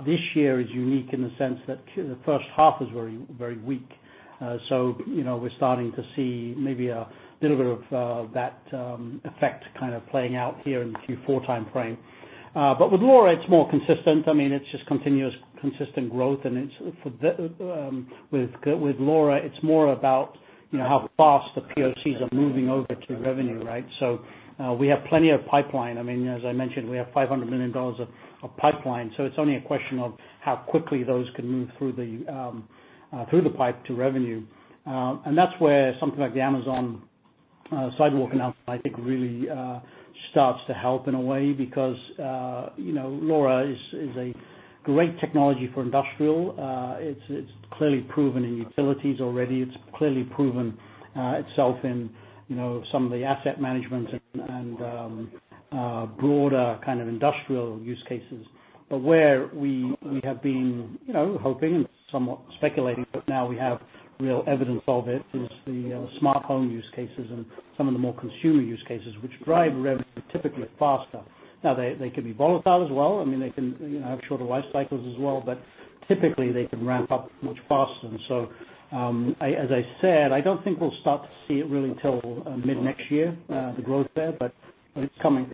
this year is unique in the sense that the first half was very weak. We're starting to see maybe a little bit of that effect kind of playing out here in the Q4 timeframe. With LoRa, it's more consistent. It's just continuous, consistent growth, with LoRa, it's more about how fast the POCs are moving over to revenue, right? We have plenty of pipeline. As I mentioned, we have $500 million of pipeline, it's only a question of how quickly those can move through the pipe to revenue. That's where something like the Amazon Sidewalk announcement, I think, really starts to help in a way because LoRa is a great technology for industrial. It's clearly proven in utilities already. It's clearly proven itself in some of the asset management and broader kind of industrial use cases. Where we have been hoping and somewhat speculating, but now we have real evidence of it, is the smartphone use cases and some of the more consumer use cases which drive revenue typically faster. Now, they can be volatile as well. They can have shorter life cycles as well, but typically, they can ramp up much faster. As I said, I don't think we'll start to see it really till mid-next year, the growth there, but it's coming.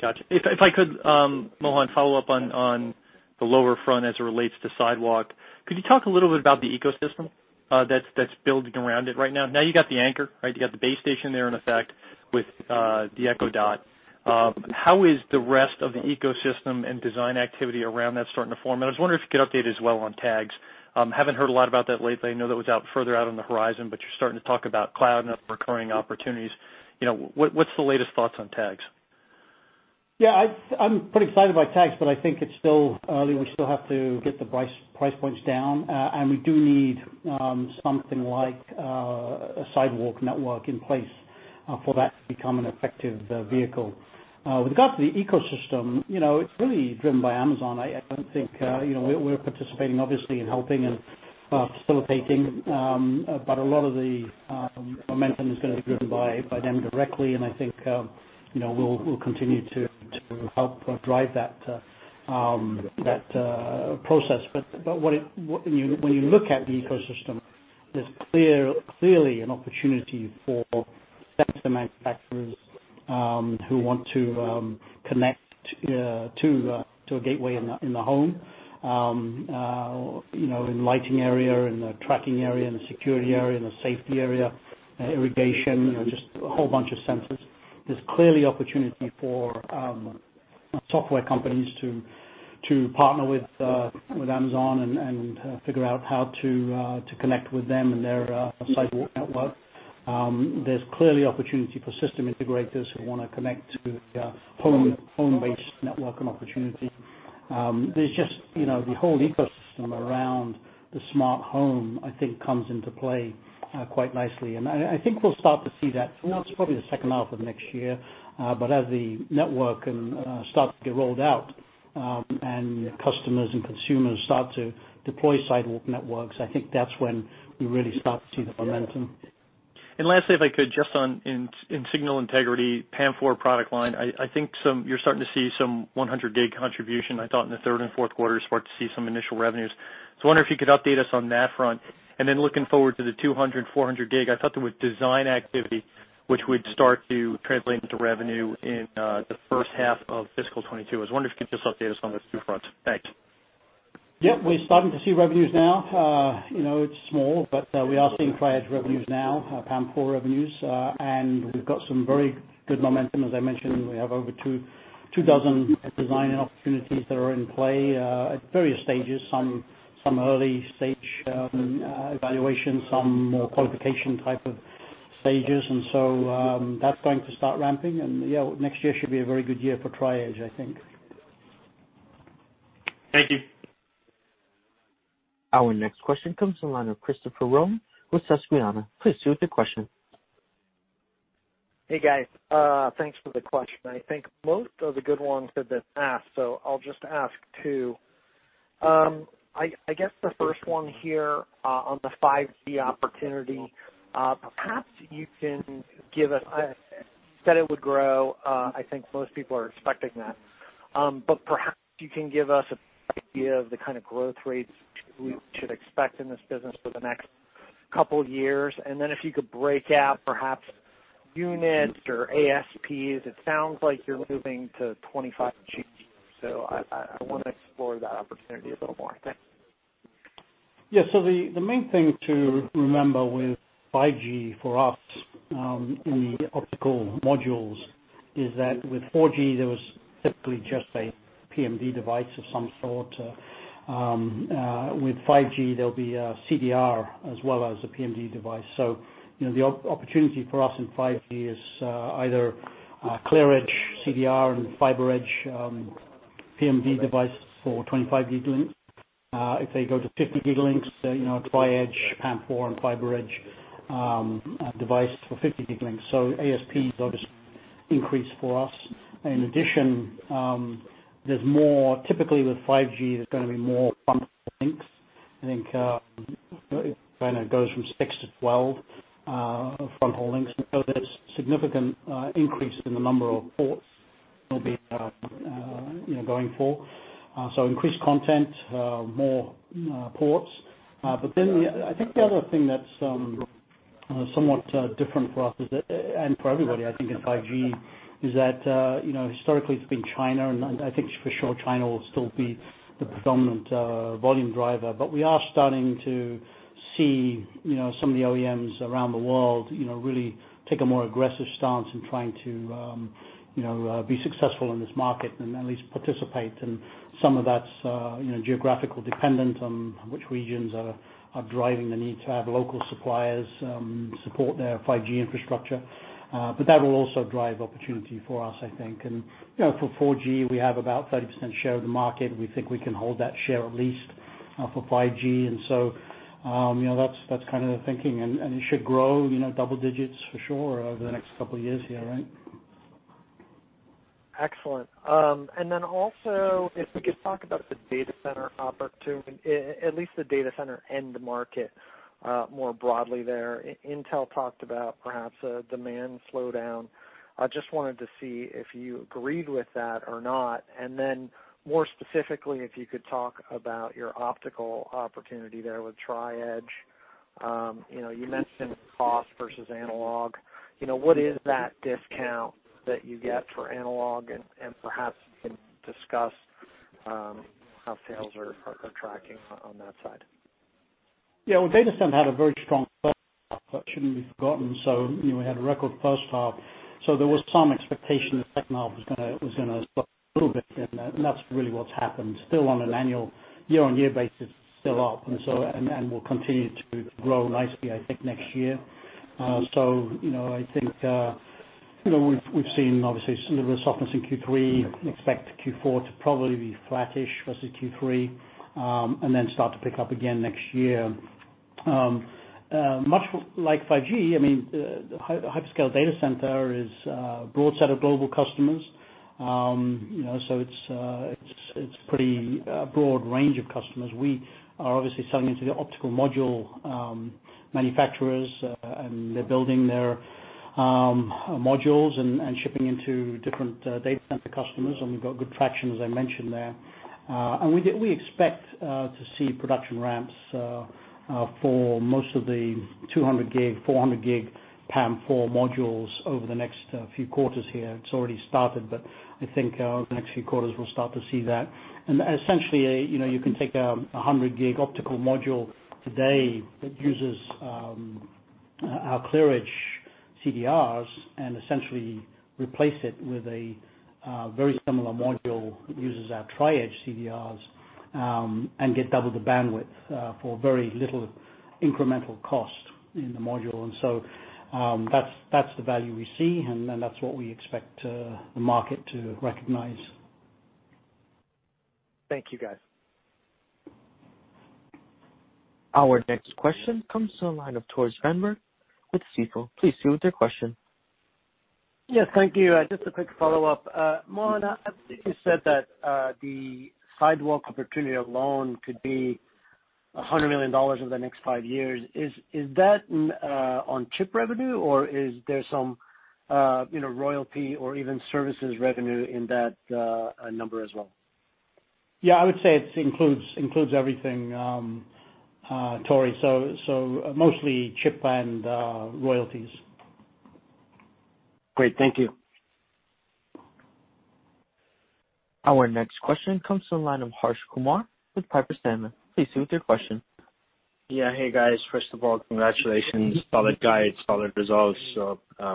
Gotcha. If I could, Mohan, follow up on the LoRa front as it relates to Sidewalk. Could you talk a little bit about the ecosystem that's building around it right now? Now you've got the anchor, right? You got the base station there, in effect, with the Echo Dot. How is the rest of the ecosystem and design activity around that starting to form? I was wondering if you could update as well on tags. Haven't heard a lot about that lately. I know that was out further out on the horizon, you're starting to talk about cloud and recurring opportunities. What's the latest thoughts on tags?
I'm pretty excited by tags, I think it's still early. We still have to get the price points down. We do need something like a Sidewalk network in place for that to become an effective vehicle. With regard to the ecosystem, it's really driven by Amazon. We're participating, obviously, in helping and facilitating. A lot of the momentum is going to be driven by them directly, and I think we'll continue to help drive that process. When you look at the ecosystem, there's clearly an opportunity for sensor manufacturers who want to connect to a gateway in the home. In lighting area, in the tracking area, in the security area, in the safety area, irrigation, just a whole bunch of sensors. There's clearly opportunity for software companies to partner with Amazon and figure out how to connect with them and their Sidewalk network. There's clearly opportunity for system integrators who want to connect to the home-based network and opportunity. There's just the whole ecosystem around the smart home, I think, comes into play quite nicely. I think we'll start to see that from what's probably the second half of next year. As the network can start to get rolled out and customers and consumers start to deploy Sidewalk networks, I think that's when we really start to see the momentum.
Lastly, if I could, just on signal integrity, PAM4 product line, I think you're starting to see some 100G contribution. I thought in the third and fourth quarter, start to see some initial revenues. I wonder if you could update us on that front. Looking forward to the 200G, 400G, I thought there was design activity which would start to translate into revenue in the first half of fiscal 2022. I was wondering if you could just update us on those two fronts. Thanks.
Yep. We're starting to see revenues now. It's small, but we are seeing Tri-Edge revenues now, PAM4 revenues. We've got some very good momentum. As I mentioned, we have over two dozen design opportunities that are in play at various stages. Some early stage evaluation, some qualification type of stages. That's going to start ramping and next year should be a very good year for Tri-Edge, I think.
Thank you.
Our next question comes from the line of Christopher Rolland with Susquehanna. Please proceed with your question.
Hey, guys. Thanks for the question. I think most of the good ones have been asked, so I'll just ask two. I guess the first one here on the 5G opportunity. You said it would grow. I think most people are expecting that. Perhaps you can give us an idea of the kind of growth rates we should expect in this business for the next couple of years. If you could break out perhaps units or ASPs. It sounds like you're moving to 25G. I want to explore that opportunity a little more. Thanks.
Yeah. The main thing to remember with 5G for us, in the optical modules, is that with 4G, there was typically just a PMD device of some sort. With 5G, there'll be a CDR as well as a PMD device. The opportunity for us in 5G is either ClearEdge CDR and FiberEdge PMD devices for 25 gig links. If they go to 50 gig links, Tri-Edge PAM4 and FiberEdge device for 50 gig links. ASPs obviously increase for us. In addition, typically with 5G, there's going to be more front haul links. I think it kind of goes from 6 to 12 front haul links. There's significant increase in the number of ports there'll be going forward. Increased content, more ports. I think the other thing that's somewhat different for us is that, and for everybody, I think, in 5G, is that historically it's been China, and I think for sure China will still be the predominant volume driver. We are starting to see some of the OEMs around the world really take a more aggressive stance in trying to be successful in this market and at least participate. Some of that's geographical dependent on which regions are driving the need to have local suppliers support their 5G infrastructure. That will also drive opportunity for us, I think. For 4G, we have about 30% share of the market. We think we can hold that share at least for 5G. That's kind of the thinking. It should grow double digits for sure over the next couple of years here, right?
Excellent. If we could talk about the data center opportunity, at least the data center end market more broadly there. Intel talked about perhaps a demand slowdown. I just wanted to see if you agreed with that or not. More specifically, if you could talk about your optical opportunity there with Tri-Edge. You mentioned cost versus analog. What is that discount that you get for analog? Perhaps you can discuss how sales are tracking on that side.
Yeah. Well, data center had a very strong first half that shouldn't be forgotten. We had a record first half. There was some expectation the second half was going to slow down a little bit, and that's really what's happened. Still on an annual year-on-year basis, it's still up. It will continue to grow nicely, I think, next year. I think we've seen obviously a little bit of softness in Q3. Expect Q4 to probably be flattish versus Q3, and then start to pick up again next year. Much like 5G, hyperscale center is a broad set of global customers. It's a pretty broad range of customers. We are obviously selling into the optical module manufacturers. They're building their modules and shipping into different data center customers, and we've got good traction, as I mentioned there. We expect to see production ramps for most of the 200G, 400G PAM4 modules over the next few quarters here. It's already started, but I think over the next few quarters, we'll start to see that. Essentially, you can take a 100G optical module today that uses our ClearEdge CDRs and essentially replace it with a very similar module that uses our Tri-Edge CDRs, and get double the bandwidth for very little incremental cost in the module. That's the value we see, and that's what we expect the market to recognize.
Thank you, guys.
Our next question comes to the line of Tore Svanberg with Stifel. Please go with your question.
Yes, thank you. Just a quick follow-up. Mohan, I think you said that the Sidewalk opportunity alone could be $100 million over the next five years. Is that on chip revenue or is there some royalty or even services revenue in that number as well?
I would say it includes everything, Tore. Mostly chip and royalties.
Great. Thank you.
Our next question comes to the line of Harsh Kumar with Piper Sandler. Please proceed with your question.
Yeah. Hey, guys. First of all, congratulations. Solid guide, solid results.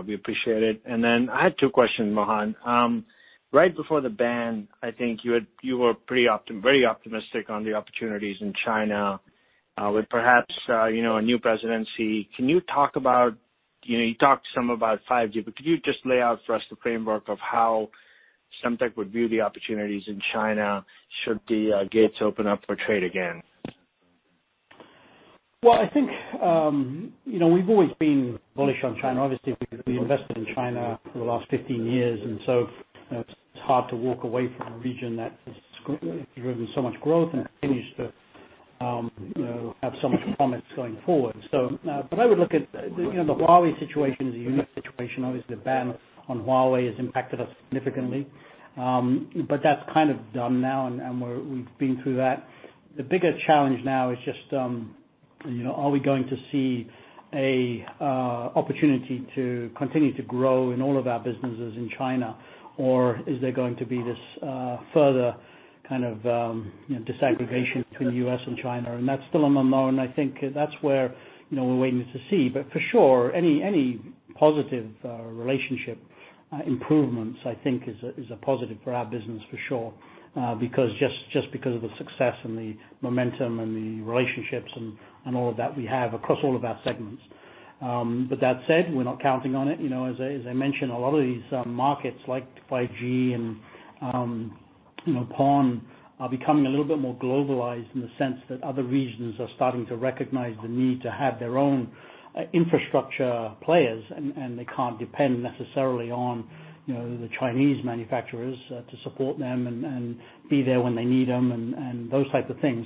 We appreciate it. I had two questions, Mohan. Right before the ban, I think you were very optimistic on the opportunities in China, with perhaps, a new presidency. You talked some about 5G, Could you just lay out for us the framework of how Semtech would view the opportunities in China, should the gates open up for trade again?
Well, I think, we've always been bullish on China. Obviously, we invested in China for the last 15 years, and so it's hard to walk away from a region that has driven so much growth and continues to have so much promise going forward. I would look at the Huawei situation as a unique situation. Obviously, the ban on Huawei has impacted us significantly. That's kind of done now, and we've been through that. The bigger challenge now is just, are we going to see a opportunity to continue to grow in all of our businesses in China, or is there going to be this further kind of disaggregation between U.S. and China? That's still unknown, I think that's where we're waiting to see. For sure, any positive relationship improvements, I think is a positive for our business, for sure. Just because of the success and the momentum and the relationships and all of that we have across all of our segments. That said, we're not counting on it. As I mentioned, a lot of these markets like 5G and PON are becoming a little bit more globalized in the sense that other regions are starting to recognize the need to have their own infrastructure players, and they can't depend necessarily on the Chinese manufacturers to support them and be there when they need them and those types of things.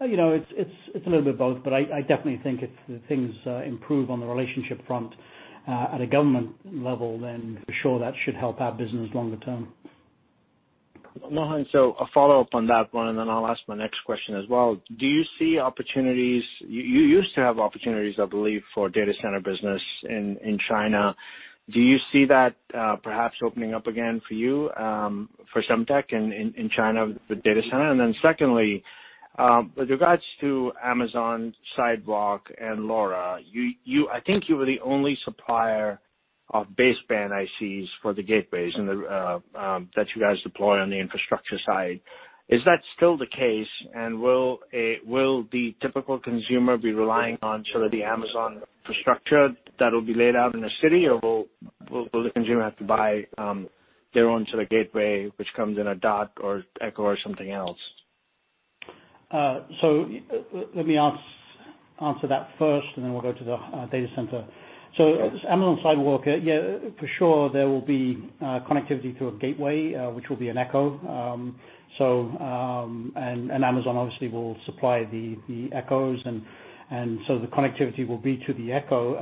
It's a little bit of both, but I definitely think if things improve on the relationship front at a government level, then for sure that should help our business longer term.
Mohan, a follow-up on that one. Then I'll ask my next question as well. Do you see opportunities, you used to have opportunities, I believe, for data center business in China? Do you see that perhaps opening up again for you, for Semtech in China with data center? Then secondly, with regards to Amazon Sidewalk and LoRa, I think you were the only supplier of baseband ICs for the gateways that you guys deploy on the infrastructure side. Is that still the case, and will the typical consumer be relying on sort of the Amazon infrastructure that'll be laid out in the city, or will the consumer have to buy their own sort of gateway, which comes in a Dot or Echo or something else?
Let me answer that first, and then we'll go to the data center. Amazon Sidewalk, yeah, for sure, there will be connectivity through a gateway, which will be an Echo. Amazon obviously will supply the Echos, the connectivity will be to the Echo.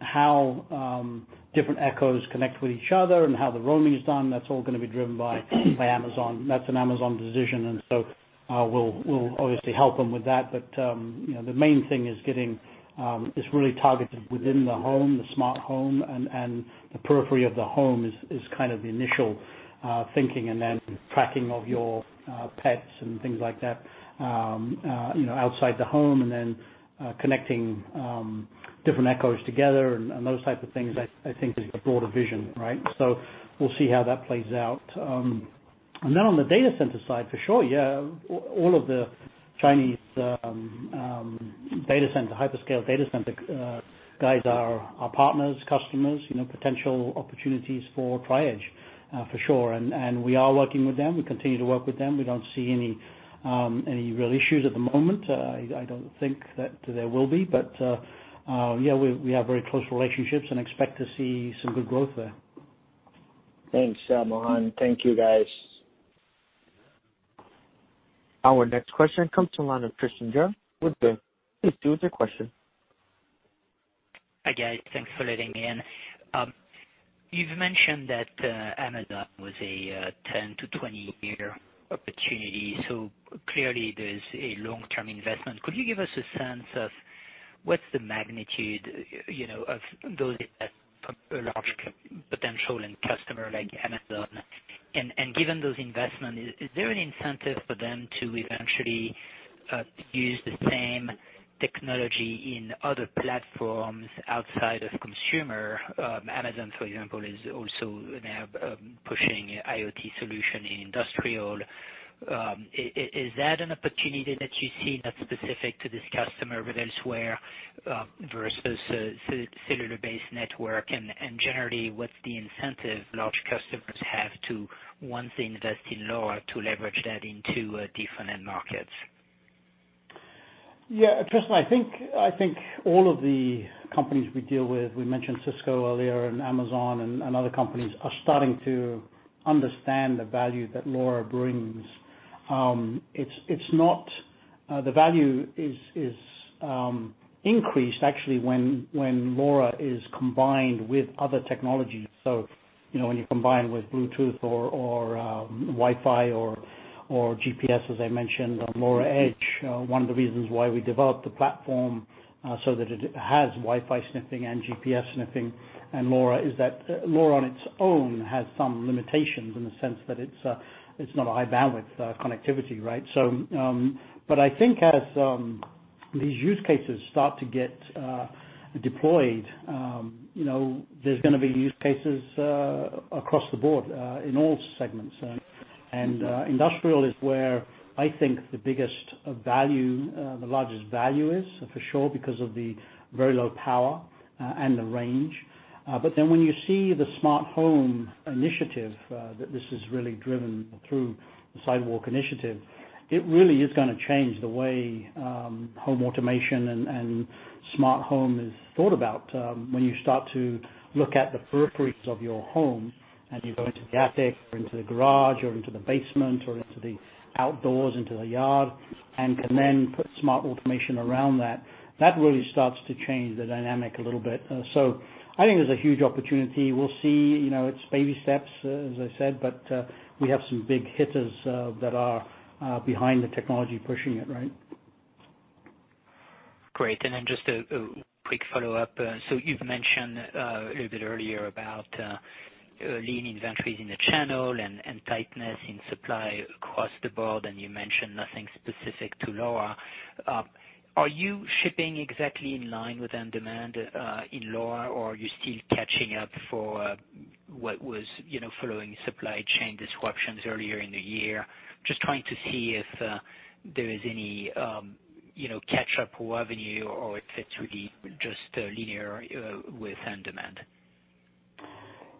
How different Echos connect with each other and how the roaming is done, that's all gonna be driven by Amazon. That's an Amazon decision, we'll obviously help them with that. The main thing is getting, is really targeted within the home, the smart home, and the periphery of the home is kind of the initial thinking, then tracking of your pets and things like that outside the home and then connecting different Echos together and those types of things, I think is the broader vision, right? We'll see how that plays out. On the data center side, for sure, yeah, all of the Chinese hyperscale data center guys are our partners, customers, potential opportunities for Tri-Edge, for sure. We are working with them. We continue to work with them. We don't see any real issues at the moment. I don't think that there will be. Yeah, we have very close relationships and expect to see some good growth there.
Thanks, Mohan. Thank you, guys.
Our next question comes from the line of Tristan Gerra with Baird. Please go with your question.
Hi, guys. Thanks for letting me in. You've mentioned that Amazon was a 10 to 20 year opportunity, clearly there's a long-term investment. Could you give us a sense of what's the magnitude of those that have a large potential in customer like Amazon? Given those investment, is there an incentive for them to eventually use the same technology in other platforms outside of consumer? Amazon, for example, is also now pushing IoT solution in industrial. Is that an opportunity that you see that's specific to this customer but elsewhere, versus cellular-based network? Generally, what's the incentive large customers have to once they invest in LoRa to leverage that into different end markets?
Yeah, Tristan, I think all of the companies we deal with, we mentioned Cisco earlier and Amazon and other companies, are starting to understand the value that LoRa brings. The value is increased actually when LoRa is combined with other technologies. When you combine with Bluetooth or Wi-Fi or GPS, as I mentioned, LoRa Edge, one of the reasons why we developed the platform, so that it has Wi-Fi sniffing and GPS sniffing and LoRa, is that LoRa on its own has some limitations in the sense that it's not a high bandwidth connectivity, right? I think as these use cases start to get deployed, there's going to be use cases across the board, in all segments. Industrial is where I think the largest value is, for sure, because of the very low power and the range. When you see the Smart Home initiative, that this is really driven through the Sidewalk initiative, it really is going to change the way home automation and smart home is thought about. When you start to look at the peripheries of your home, and you go into the attic or into the garage or into the basement or into the outdoors, into the yard, and can then put smart automation around that really starts to change the dynamic a little bit. I think there's a huge opportunity. We'll see. It's baby steps, as I said, but we have some big hitters that are behind the technology pushing it, right?
Great. Just a quick follow-up. You've mentioned a little bit earlier about lean inventories in the channel and tightness in supply across the board, and you mentioned nothing specific to LoRa. Are you shipping exactly in line with end demand in LoRa, or are you still catching up for what was following supply chain disruptions earlier in the year? Just trying to see if there is any catch-up revenue or if it's really just linear with end demand.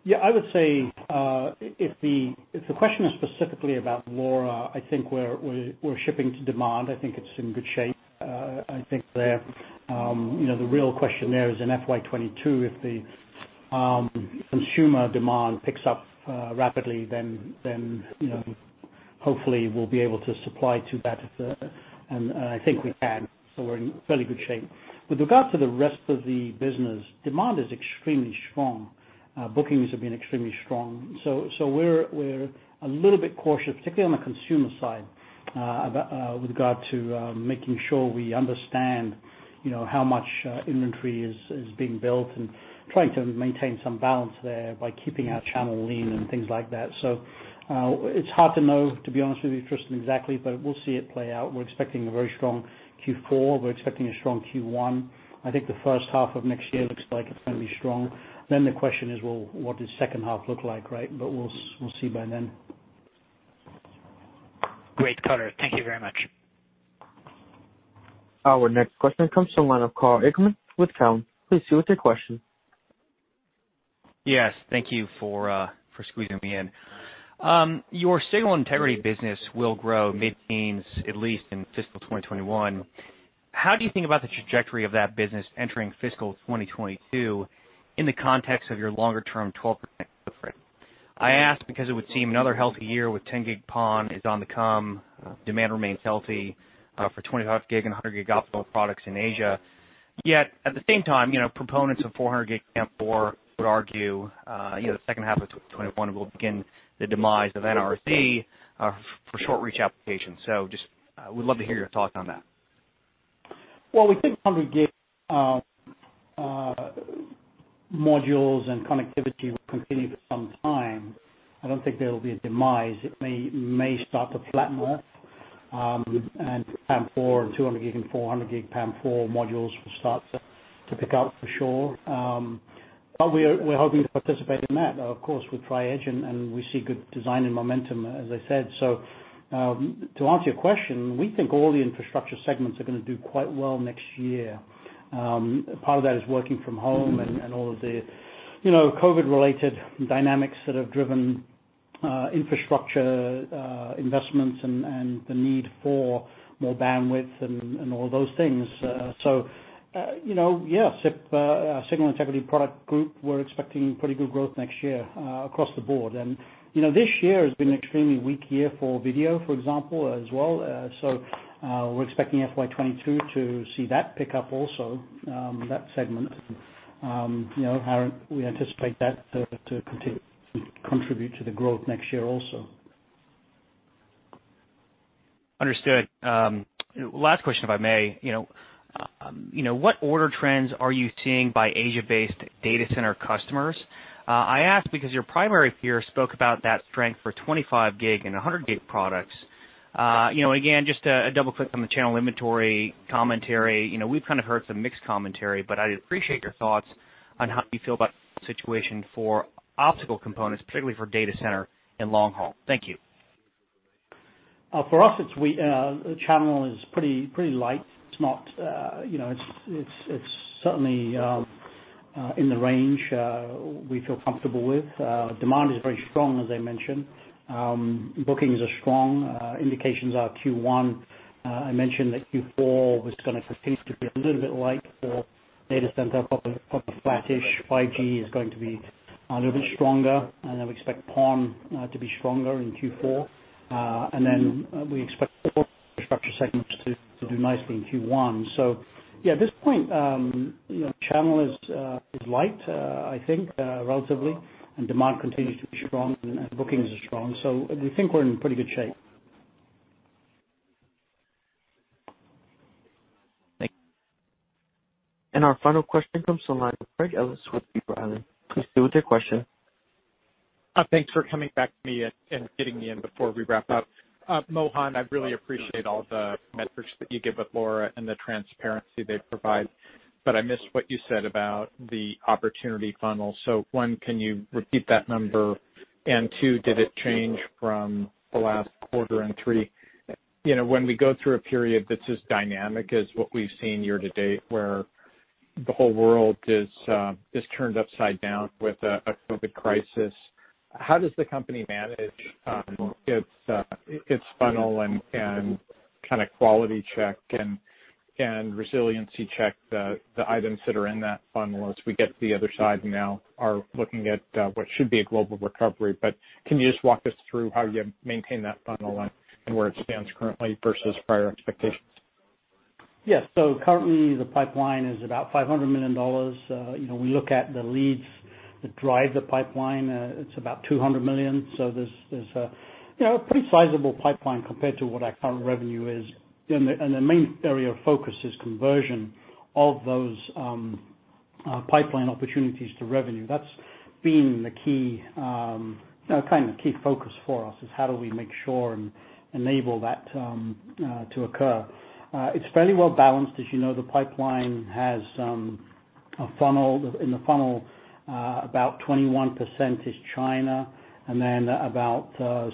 Yeah, I would say, if the question is specifically about LoRa, I think we're shipping to demand. I think it's in good shape. I think the real question there is in FY 2022, if the consumer demand picks up rapidly, then hopefully we'll be able to supply to that, and I think we can. We're in fairly good shape. With regard to the rest of the business, demand is extremely strong. Bookings have been extremely strong. We're a little bit cautious, particularly on the consumer side, with regard to making sure we understand how much inventory is being built and trying to maintain some balance there by keeping our channel lean and things like that. It's hard to know, to be honest with you, Tristan, exactly, but we'll see it play out. We're expecting a very strong Q4. We're expecting a strong Q1. I think the first half of next year looks like it is going to be strong. The question is, well, what does second half look like, right? We will see by then.
Great quarter. Thank you very much.
Our next question comes from the line of Karl Ackerman with Cowen. Please go with your question.
Yes. Thank you for squeezing me in. Your signal integrity business will grow mid-teens, at least in FY 2021. How do you think about the trajectory of that business entering FY 2022 in the context of your longer term 12% footprint? I ask because it would seem another healthy year with 10 gig PON is on the come. Demand remains healthy for 25G and 100G optical products in Asia. At the same time, proponents of 400G PAM4 would argue the second half of 2021 will begin the demise of NRZ for short reach applications. Just would love to hear your thoughts on that.
Well, we think 100G modules and connectivity will continue for some time. I don't think there'll be a demise. It may start to flatten off and PAM4 and 200G and 400G PAM4 modules will start to pick up for sure. We're hoping to participate in that. Of course, with Tri-Edge, and we see good design and momentum, as I said. To answer your question, we think all the infrastructure segments are going to do quite well next year. Part of that is working from home and all of the COVID-related dynamics that have driven infrastructure investments and the need for more bandwidth and all those things. Yeah, SIP, our Signal Integrity product group, we're expecting pretty good growth next year across the board. This year has been an extremely weak year for video, for example, as well. We're expecting FY 2022 to see that pick up also, that segment. We anticipate that to continue to contribute to the growth next year also.
Understood. Last question, if I may. What order trends are you seeing by Asia-based data center customers? I ask because your primary peer spoke about that strength for 25G and 100G products. Again, just a double-click on the channel inventory commentary. We've kind of heard some mixed commentary, but I'd appreciate your thoughts on how you feel about the situation for optical components, particularly for data center and long haul. Thank you.
For us, the channel is pretty light. It's certainly in the range we feel comfortable with. Demand is very strong, as I mentioned. Bookings are strong. Indications are Q1. I mentioned that Q4 was going to continue to be a little bit light for data center, probably flattish. 5G is going to be a little bit stronger, and then we expect PON to be stronger in Q4. We expect all infrastructure segments to do nicely in Q1. Yeah, at this point, channel is light, I think, relatively, and demand continues to be strong and bookings are strong, so we think we're in pretty good shape.
Thank you.
Our final question comes from the line of Craig Ellis with B.Riley. Please go with your question.
Thanks for coming back to me and getting me in before we wrap up. Mohan, I really appreciate all the metrics that you give with LoRa and the transparency they provide, but I missed what you said about the opportunity funnel. One, can you repeat that number? Two, did it change from the last quarter? Three, when we go through a period that's as dynamic as what we've seen year to date, where the whole world is turned upside down with a COVID crisis, how does the company manage its funnel and kind of quality check and resiliency check the items that are in that funnel as we get to the other side now are looking at what should be a global recovery. Can you just walk us through how you maintain that funnel and where it stands currently versus prior expectations?
Yes. Currently, the pipeline is about $500 million. We look at the leads that drive the pipeline. It's about $200 million. There's a pretty sizable pipeline compared to what our current revenue is. The main area of focus is conversion of those pipeline opportunities to revenue. That's been kind of the key focus for us, is how do we make sure and enable that to occur. It's fairly well balanced. As you know, the pipeline has a funnel. In the funnel, about 21% is China, and then about 70%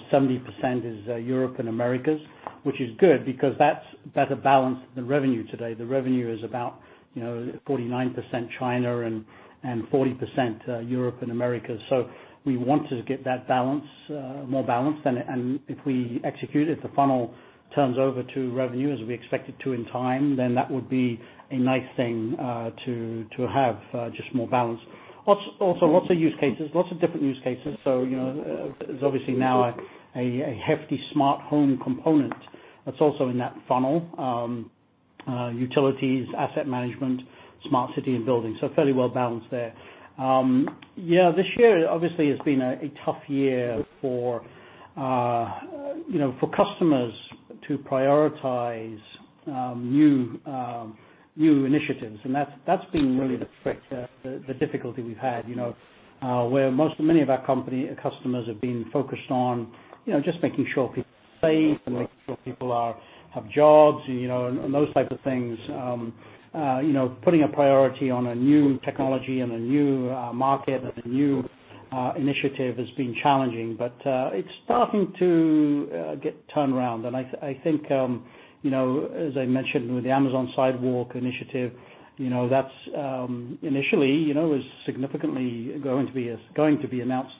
is Europe and Americas, which is good because that's a better balance than revenue today. The revenue is about 49% China and 40% Europe and Americas. We want to get that more balanced. If we execute it, the funnel turns over to revenue as we expect it to in time, that would be a nice thing to have, just more balance. Lots of use cases, lots of different use cases. There's obviously now a hefty smart home component that's also in that funnel. Utilities, asset management, smart city, and building. Fairly well balanced there. This year obviously has been a tough year for customers to prioritize new initiatives, that's been really the difficulty we've had, where many of our customers have been focused on just making sure people are safe and making sure people have jobs and those types of things. Putting a priority on a new technology and a new market and a new initiative has been challenging. It's starting to get turned around. I think, as I mentioned with the Amazon Sidewalk initiative, that initially was significantly going to be announced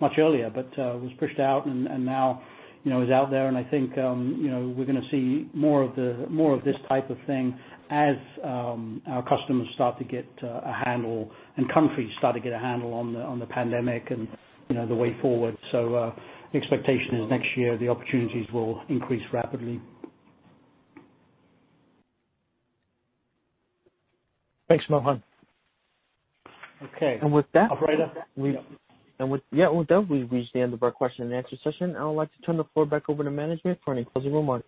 much earlier, but was pushed out and now is out there. I think we're going to see more of this type of thing as our customers start to get a handle, and countries start to get a handle on the pandemic and the way forward. Expectation is next year, the opportunities will increase rapidly.
Thanks, Mohan.
Okay.
With that.
Operator?
With that, we've reached the end of our question-and-answer session. I would like to turn the floor back over to management for any closing remarks.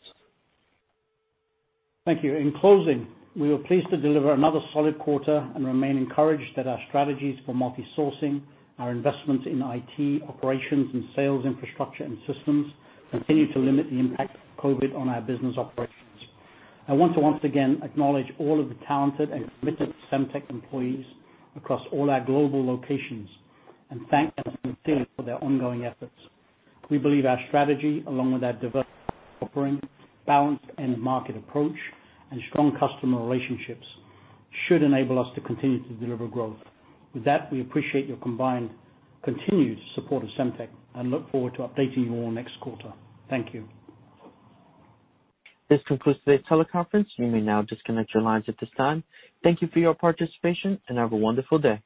Thank you. In closing, we were pleased to deliver another solid quarter and remain encouraged that our strategies for multi-sourcing, our investments in IT, operations, and sales infrastructure and systems continue to limit the impact of COVID on our business operations. I want to once again acknowledge all of the talented and committed Semtech employees across all our global locations and thank them sincerely for their ongoing efforts. We believe our strategy, along with our diversified offering, balanced end market approach, and strong customer relationships, should enable us to continue to deliver growth. With that, we appreciate your combined continued support of Semtech and look forward to updating you all next quarter. Thank you.
This concludes today's teleconference. You may now disconnect your lines at this time. Thank you for your participation and have a wonderful day.